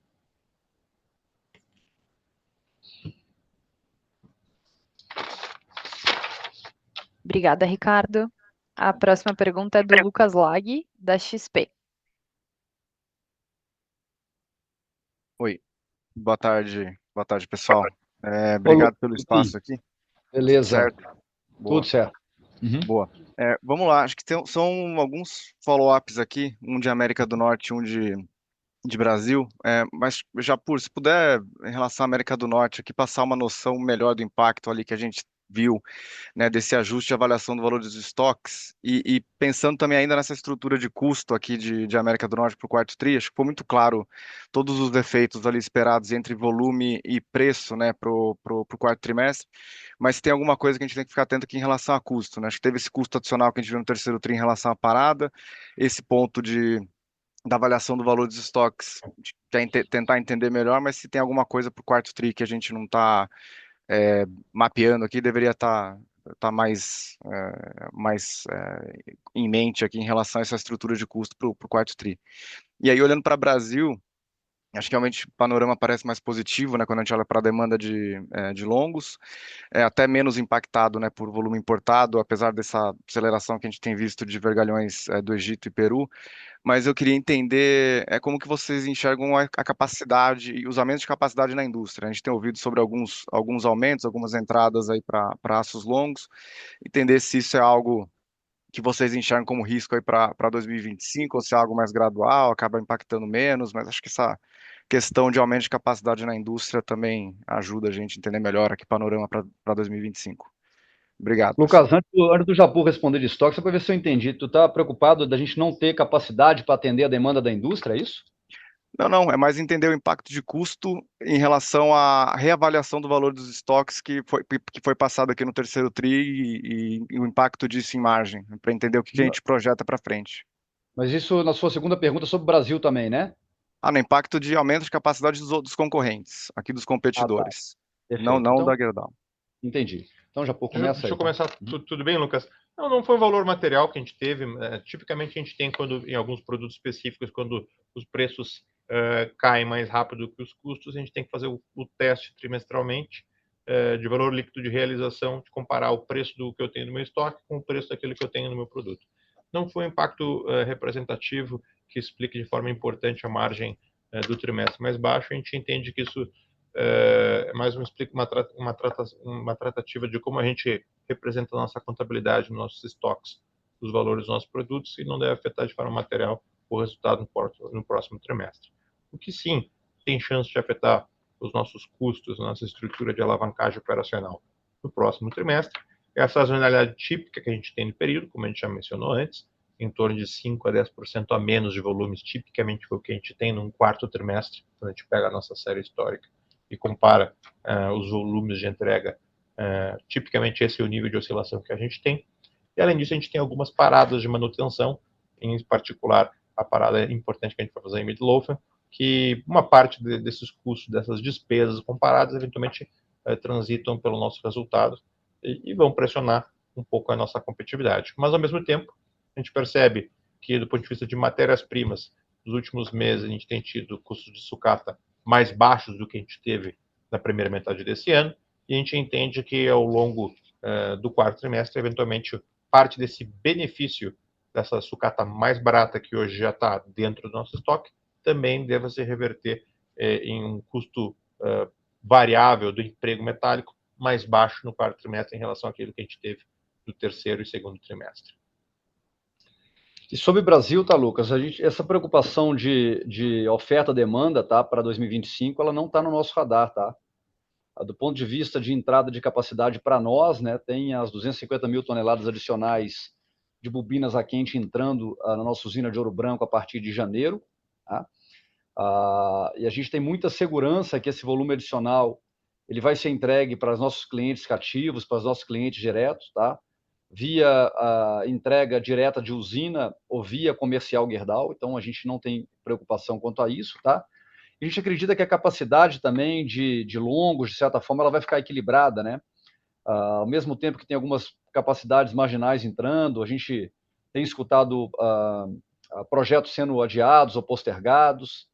Obrigada, Ricardo. A próxima pergunta é do Lucas Laghi, da XP. Oi, boa tarde, boa tarde, pessoal. Obrigado pelo espaço aqui. Beleza, certo. Tudo certo. Boa. Vamos lá, acho que são alguns follow-ups aqui, de América do Norte, do Brasil, mas Japur, se puder relatar a América do Norte aqui, passar uma noção melhor do impacto ali que a gente viu desse ajuste de avaliação do valor dos estoques e pensando também ainda nessa estrutura de custo aqui de América do Norte para o quarto tri. Acho que ficou muito claro todos os efeitos ali esperados entre volume e preço para o quarto trimestre, mas se tem alguma coisa que a gente tem que ficar atento aqui em relação a custo? Acho que teve esse custo adicional que a gente viu no terceiro trimestre em relação à parada, esse ponto da avaliação do valor dos estoques, tentar entender melhor, mas se tem alguma coisa para o quarto trimestre que a gente não está mapeando aqui, deveria estar mais em mente aqui em relação a essa estrutura de custo para o quarto trimestre. Olhando para o Brasil, acho que realmente o panorama parece mais positivo, quando a gente olha para a demanda de longos, até menos impactado por volume importado, apesar dessa aceleração que a gente tem visto de vergalhões do Egito e Peru, mas eu queria entender como vocês enxergam a capacidade e o uso de capacidade na indústria. A gente tem ouvido sobre alguns aumentos, algumas entradas aí para aços longos, entender se isso é algo que vocês enxergam como risco aí para 2025 ou se é algo mais gradual, acaba impactando menos, mas acho que essa questão de aumento de capacidade na indústria também ajuda a gente a entender melhor aqui o panorama para 2025. Obrigado. Lucas, antes do Japur responder de estoque, só para ver se eu entendi, tu estavas preocupado da gente não ter capacidade para atender a demanda da indústria, é isso? Não, não, é mais entender o impacto de custo em relação à reavaliação do valor dos estoques que foi passado aqui no terceiro trimestre e o impacto disso em margem, para entender o que a gente projeta para frente. Mas isso na sua segunda pergunta é sobre o Brasil também, né? Não, impacto de aumento de capacidade dos outros concorrentes, aqui dos competidores, não da Gerdau. Entendi. Então, Japur, começa aí. Deixa eu começar, tudo bem, Lucas? Não, não foi valor material que a gente teve. Tipicamente a gente tem quando em alguns produtos específicos, quando os preços caem mais rápido que os custos, a gente tem que fazer o teste trimestralmente de valor líquido de realização, de comparar o preço do que eu tenho no meu estoque com o preço daquilo que eu tenho no meu produto. Não foi impacto representativo que explique de forma importante a margem do trimestre mais baixo. A gente entende que isso é mais uma tratativa de como a gente representa a nossa contabilidade nos nossos estoques, os valores dos nossos produtos e não deve afetar de forma material o resultado no próximo trimestre. O que sim tem chance de afetar os nossos custos, a nossa estrutura de alavancagem operacional no próximo trimestre, é a sazonalidade típica que a gente tem no período. Como a gente já mencionou antes, em torno de 5% a 10% a menos de volumes, tipicamente foi o que a gente tem no quarto trimestre, quando a gente pega a nossa série histórica e compara os volumes de entrega. Tipicamente esse é o nível de oscilação que a gente tem. Além disso, a gente tem algumas paradas de manutenção, em particular a parada importante que a gente vai fazer em Middlehaven, que uma parte desses custos, dessas despesas comparadas, eventualmente transitam pelo nosso resultado e vão pressionar um pouco a nossa competitividade. Mas ao mesmo tempo, a gente percebe que do ponto de vista de matérias-primas dos últimos meses, a gente tem tido custos de sucata mais baixos do que a gente teve na primeira metade desse ano e a gente entende que ao longo do quarto trimestre, eventualmente parte desse benefício dessa sucata mais barata que hoje já está dentro do nosso estoque, também deva se reverter em custo variável do emprego metálico mais baixo no quarto trimestre em relação àquilo que a gente teve no terceiro e segundo trimestre. E sobre o Brasil, tá, Lucas? A gente, essa preocupação de oferta e demanda, tá, para 2025, ela não está no nosso radar, tá? Do ponto de vista de entrada de capacidade para nós, né, tem as 250 mil toneladas adicionais de bobinas a quente entrando na nossa usina de Ouro Branco a partir de janeiro, tá? A gente tem muita segurança que esse volume adicional ele vai ser entregue para os nossos clientes cativos, para os nossos clientes diretos, tá, via a entrega direta de usina ou via comercial Gerdau, então a gente não tem preocupação quanto a isso, tá? A gente acredita que a capacidade também de longos, de certa forma, ela vai ficar equilibrada, né? Ao mesmo tempo que tem algumas capacidades marginais entrando, a gente tem escutado a projetos sendo adiados ou postergados,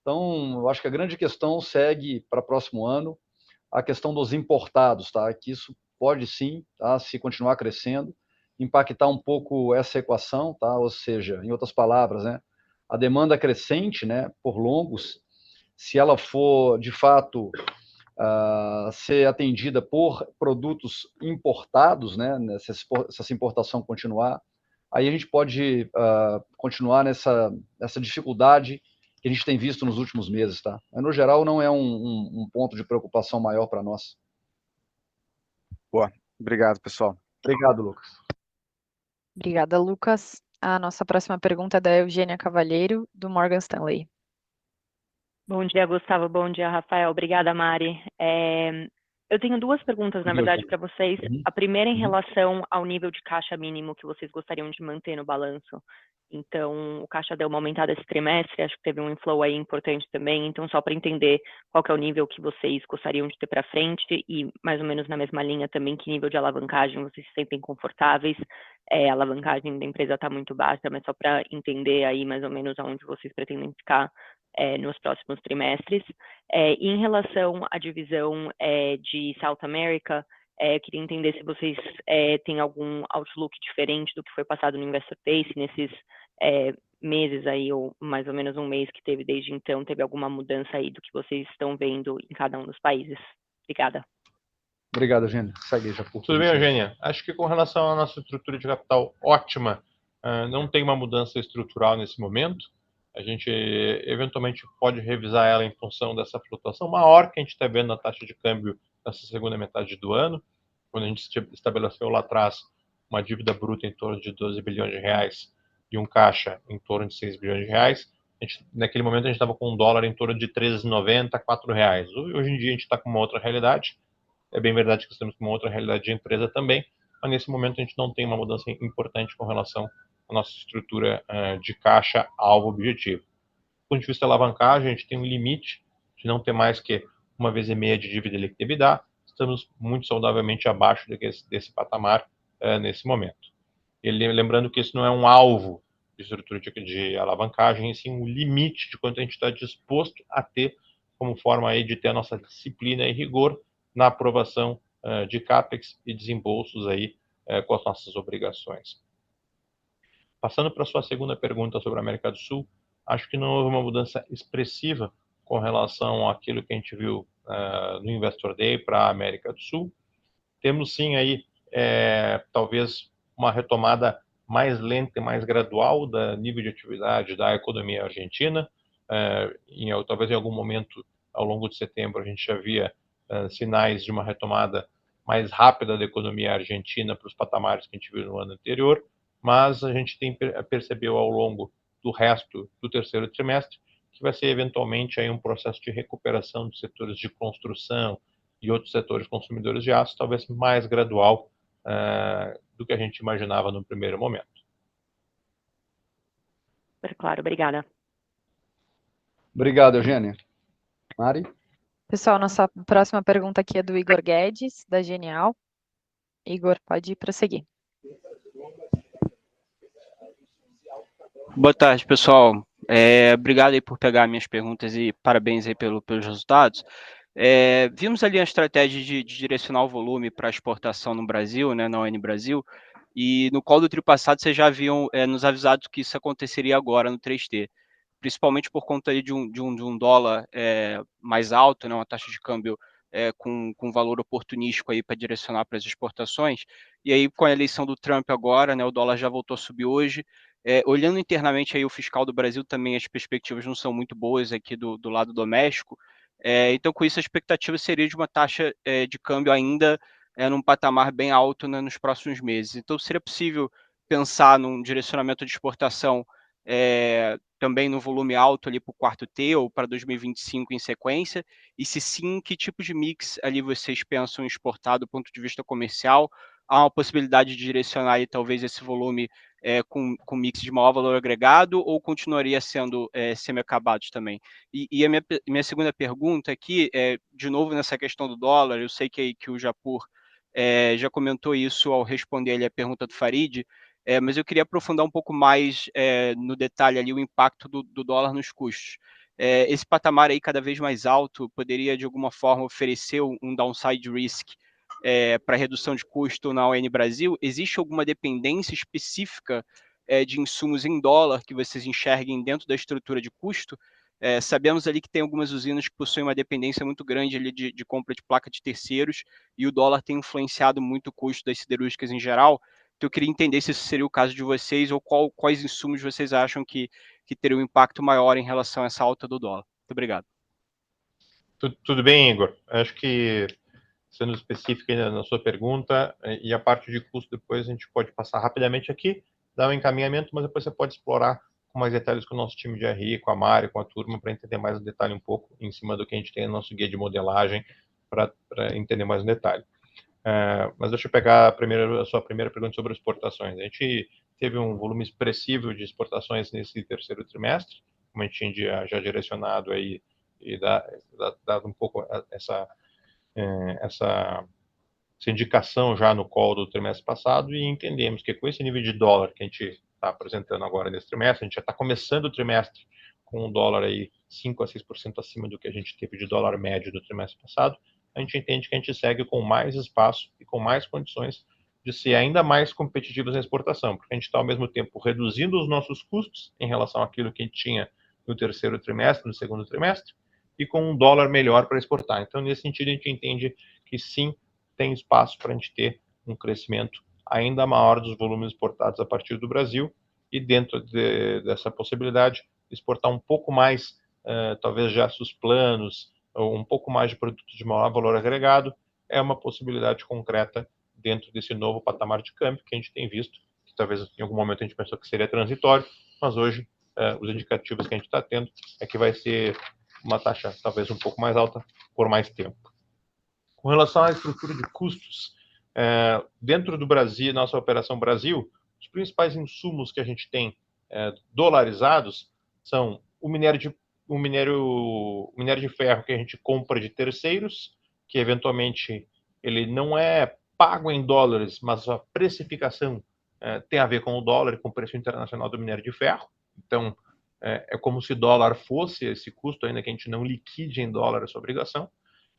então eu acho que a grande questão segue para o próximo ano, a questão dos importados, que isso pode sim, se continuar crescendo, impactar pouco essa equação, ou seja, em outras palavras, a demanda crescente por longos, se ela for de fato a ser atendida por produtos importados, se essa importação continuar, aí a gente pode continuar nessa dificuldade que a gente tem visto nos últimos meses. Mas no geral não é ponto de preocupação maior para nós. Boa, obrigado, pessoal. Obrigado, Lucas. Obrigada, Lucas. A nossa próxima pergunta é da Eugênia Cavalheiro, do Morgan Stanley. Bom dia, Gustavo, bom dia, Rafael, obrigada, Mari. Eu tenho duas perguntas, na verdade, para vocês. A primeira é em relação ao nível de caixa mínimo que vocês gostariam de manter no balanço. Então, o caixa deu uma aumentada esse trimestre, acho que teve inflow importante também, então só para entender qual que é o nível que vocês gostariam de ter para frente e mais ou menos na mesma linha também que nível de alavancagem vocês se sentem confortáveis. A alavancagem da empresa está muito baixa, mas só para entender mais ou menos onde vocês pretendem ficar nos próximos trimestres. E em relação à divisão de South America, eu queria entender se vocês têm algum outlook diferente do que foi passado no Investor Day nesses meses aí, ou mais ou menos mês que teve desde então, teve alguma mudança aí do que vocês estão vendo em cada um dos países. Obrigada. Obrigado, Eugênia. Segue, Japur. Tudo bem, Eugênia? Acho que com relação à nossa estrutura de capital, ótima, não tem uma mudança estrutural nesse momento. A gente eventualmente pode revisar ela em função dessa flutuação maior que a gente está vendo na taxa de câmbio nessa segunda metade do ano. Quando a gente estabeleceu lá atrás uma dívida bruta em torno de R$ 12 bilhões e caixa em torno de R$ 6 bilhões, a gente naquele momento estava com dólar em torno de R$ 3,90, R$ 4. Hoje em dia a gente está com uma outra realidade, é bem verdade que estamos com uma outra realidade de empresa também, mas nesse momento a gente não tem uma mudança importante com relação à nossa estrutura de caixa alvo objetivo. Do ponto de vista de alavancagem, a gente tem limite de não ter mais que uma vez e meia de dívida líquida EBITDA, estamos muito saudavelmente abaixo desse patamar nesse momento. E lembrando que isso não é alvo de estrutura de alavancagem, e sim limite de quanto a gente está disposto a ter como forma de ter a nossa disciplina e rigor na aprovação de CAPEX e desembolsos com as nossas obrigações. Passando para a sua segunda pergunta sobre a América do Sul, acho que não houve uma mudança expressiva com relação àquilo que a gente viu no Investor Day para a América do Sul. Temos sim uma retomada mais lenta e mais gradual do nível de atividade da economia argentina. É talvez em algum momento ao longo de setembro a gente já via sinais de uma retomada mais rápida da economia argentina para os patamares que a gente viu no ano anterior, mas a gente tem percebido ao longo do resto do terceiro trimestre que vai ser eventualmente aí processo de recuperação de setores de construção e outros setores consumidores de aço, talvez mais gradual do que a gente imaginava no primeiro momento. Súper claro, gracias. Obrigado, Eugênia. Mari? Pessoal, nossa próxima pergunta aqui é do Igor Guedes, da Genial. Igor, pode prosseguir. Boa tarde, pessoal. Obrigado aí por pegar minhas perguntas e parabéns aí pelos resultados. Vimos ali a estratégia de direcionar o volume para a exportação no Brasil, né, na ON Brasil, e no call do trimestre passado vocês já haviam nos avisado que isso aconteceria agora no 3T, principalmente por conta aí de dólar mais alto, né, uma taxa de câmbio com valor oportunístico aí para direcionar para as exportações. E aí, com a eleição do Trump agora, né, o dólar já voltou a subir hoje. Olhando internamente aí o fiscal do Brasil, também as perspectivas não são muito boas aqui do lado doméstico. Então, com isso, a expectativa seria de uma taxa de câmbio ainda num patamar bem alto, né, nos próximos meses. Então, seria possível pensar num direcionamento de exportação e também num volume alto ali para o quarto trimestre ou para 2025 em sequência? E se sim, que tipo de mix ali vocês pensam em exportar do ponto de vista comercial? Há uma possibilidade de direcionar aí talvez esse volume com mix de maior valor agregado ou continuaria sendo semiacabados também? E a minha segunda pergunta aqui é, de novo, nessa questão do dólar, eu sei que o Japur já comentou isso ao responder ali à pergunta do Farid, mas eu queria aprofundar um pouco mais no detalhe ali o impacto do dólar nos custos. Esse patamar aí cada vez mais alto poderia, de alguma forma, oferecer downside risk para a redução de custo na ON Brasil? Existe alguma dependência específica de insumos em dólar que vocês enxerguem dentro da estrutura de custo? Sabemos que tem algumas usinas que possuem uma dependência muito grande de compra de placa de terceiros e o dólar tem influenciado muito o custo das siderúrgicas em geral. Então, eu queria entender se isso seria o caso de vocês ou quais insumos vocês acham que teriam impacto maior em relação a essa alta do dólar. Muito obrigado. Tudo bem, Igor? Acho que, sendo específico ainda na sua pergunta, e a parte de custo depois a gente pode passar rapidamente aqui, dar encaminhamento, mas depois você pode explorar com mais detalhes com o nosso time de RI, com a Mari, com a turma, para entender mais no detalhe em cima do que a gente tem no nosso guia de modelagem para entender mais no detalhe. Mas deixa eu pegar a primeira sua pergunta sobre exportações. A gente teve volume expressivo de exportações nesse terceiro trimestre, como a gente tinha já direcionado aí e dado essa indicação já no call do trimestre passado, e entendemos que com esse nível de dólar que a gente está apresentando agora nesse trimestre, a gente já está começando o trimestre com dólar aí 5% a 6% acima do que a gente teve de dólar médio do trimestre passado. A gente entende que a gente segue com mais espaço e com mais condições de ser ainda mais competitivos na exportação, porque a gente está ao mesmo tempo reduzindo os nossos custos em relação àquilo que a gente tinha no terceiro trimestre, no segundo trimestre, e com dólar melhor para exportar. Então, nesse sentido, a gente entende que sim, tem espaço para a gente ter crescimento ainda maior dos volumes exportados a partir do Brasil e, dentro dessa possibilidade, exportar pouco mais, talvez já seus planos, ou pouco mais de produtos de maior valor agregado, é uma possibilidade concreta dentro desse novo patamar de câmbio que a gente tem visto, que talvez em algum momento a gente pensou que seria transitório, mas hoje os indicativos que a gente está tendo é que vai ser uma taxa talvez pouco mais alta por mais tempo. Com relação à estrutura de custos, é dentro do Brasil, na nossa operação Brasil, os principais insumos que a gente tem dolarizados são o minério de ferro que a gente compra de terceiros, que eventualmente ele não é pago em dólares, mas a precificação tem a ver com o dólar e com o preço internacional do minério de ferro. Então, é como se o dólar fosse esse custo, ainda que a gente não liquide em dólar essa obrigação,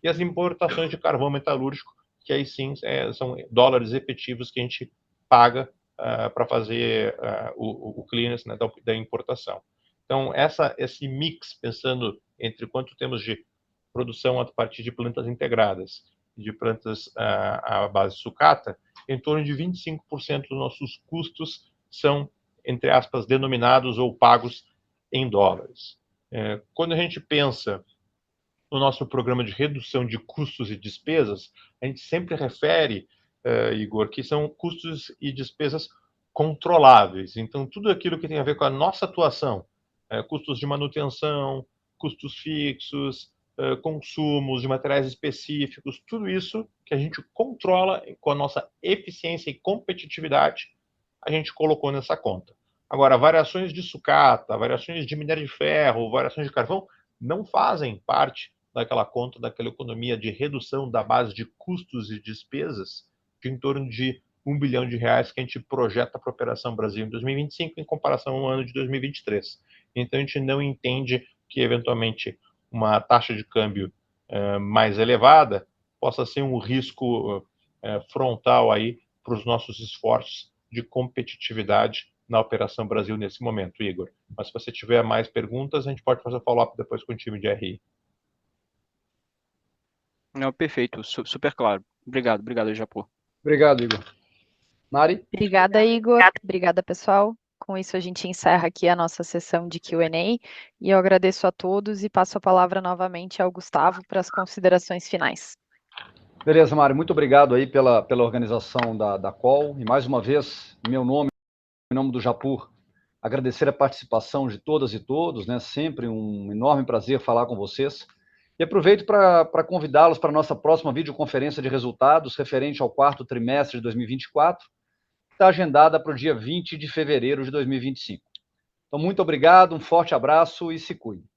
e as importações de carvão metalúrgico, que aí sim são dólares efetivos que a gente paga para fazer o clearance da importação. Então, esse mix, pensando entre quanto temos de produção a partir de plantas integradas e de plantas à base de sucata, em torno de 25% dos nossos custos são, entre aspas, denominados ou pagos em dólares. É quando a gente pensa no nosso programa de redução de custos e despesas, a gente sempre refere, Igor, que são custos e despesas controláveis. Então, tudo aquilo que tem a ver com a nossa atuação, custos de manutenção, custos fixos, consumos de materiais específicos, tudo isso que a gente controla com a nossa eficiência e competitividade, a gente colocou nessa conta. Agora, variações de sucata, variações de minério de ferro, variações de carvão, não fazem parte daquela conta, daquela economia de redução da base de custos e despesas de em torno de R$ 1 bilhão que a gente projeta para a operação Brasil em 2025, em comparação ao ano de 2023. Então, a gente não entende que eventualmente uma taxa de câmbio mais elevada possa ser risco frontal aí para os nossos esforços de competitividade na operação Brasil nesse momento, Igor. Mas se você tiver mais perguntas, a gente pode fazer o follow-up depois com o time de RI. Não, perfeito, super claro. Obrigado, obrigado, Japur. Obrigado, Igor. Mari? Obrigada, Igor. Obrigada, pessoal. Com isso, a gente encerra aqui a nossa sessão de Q&A e eu agradeço a todos e passo a palavra novamente ao Gustavo para as considerações finais. Beleza, Mari, muito obrigado aí pela organização da call e mais uma vez, em meu nome, em nome do Japur, agradecer a participação de todas e todos, né, sempre enorme prazer falar com vocês. E aproveito para convidá-los para a nossa próxima videoconferência de resultados referente ao quarto trimestre de 2024, que está agendada para o dia 20 de fevereiro de 2025. Então, muito obrigado, forte abraço e se cuidem.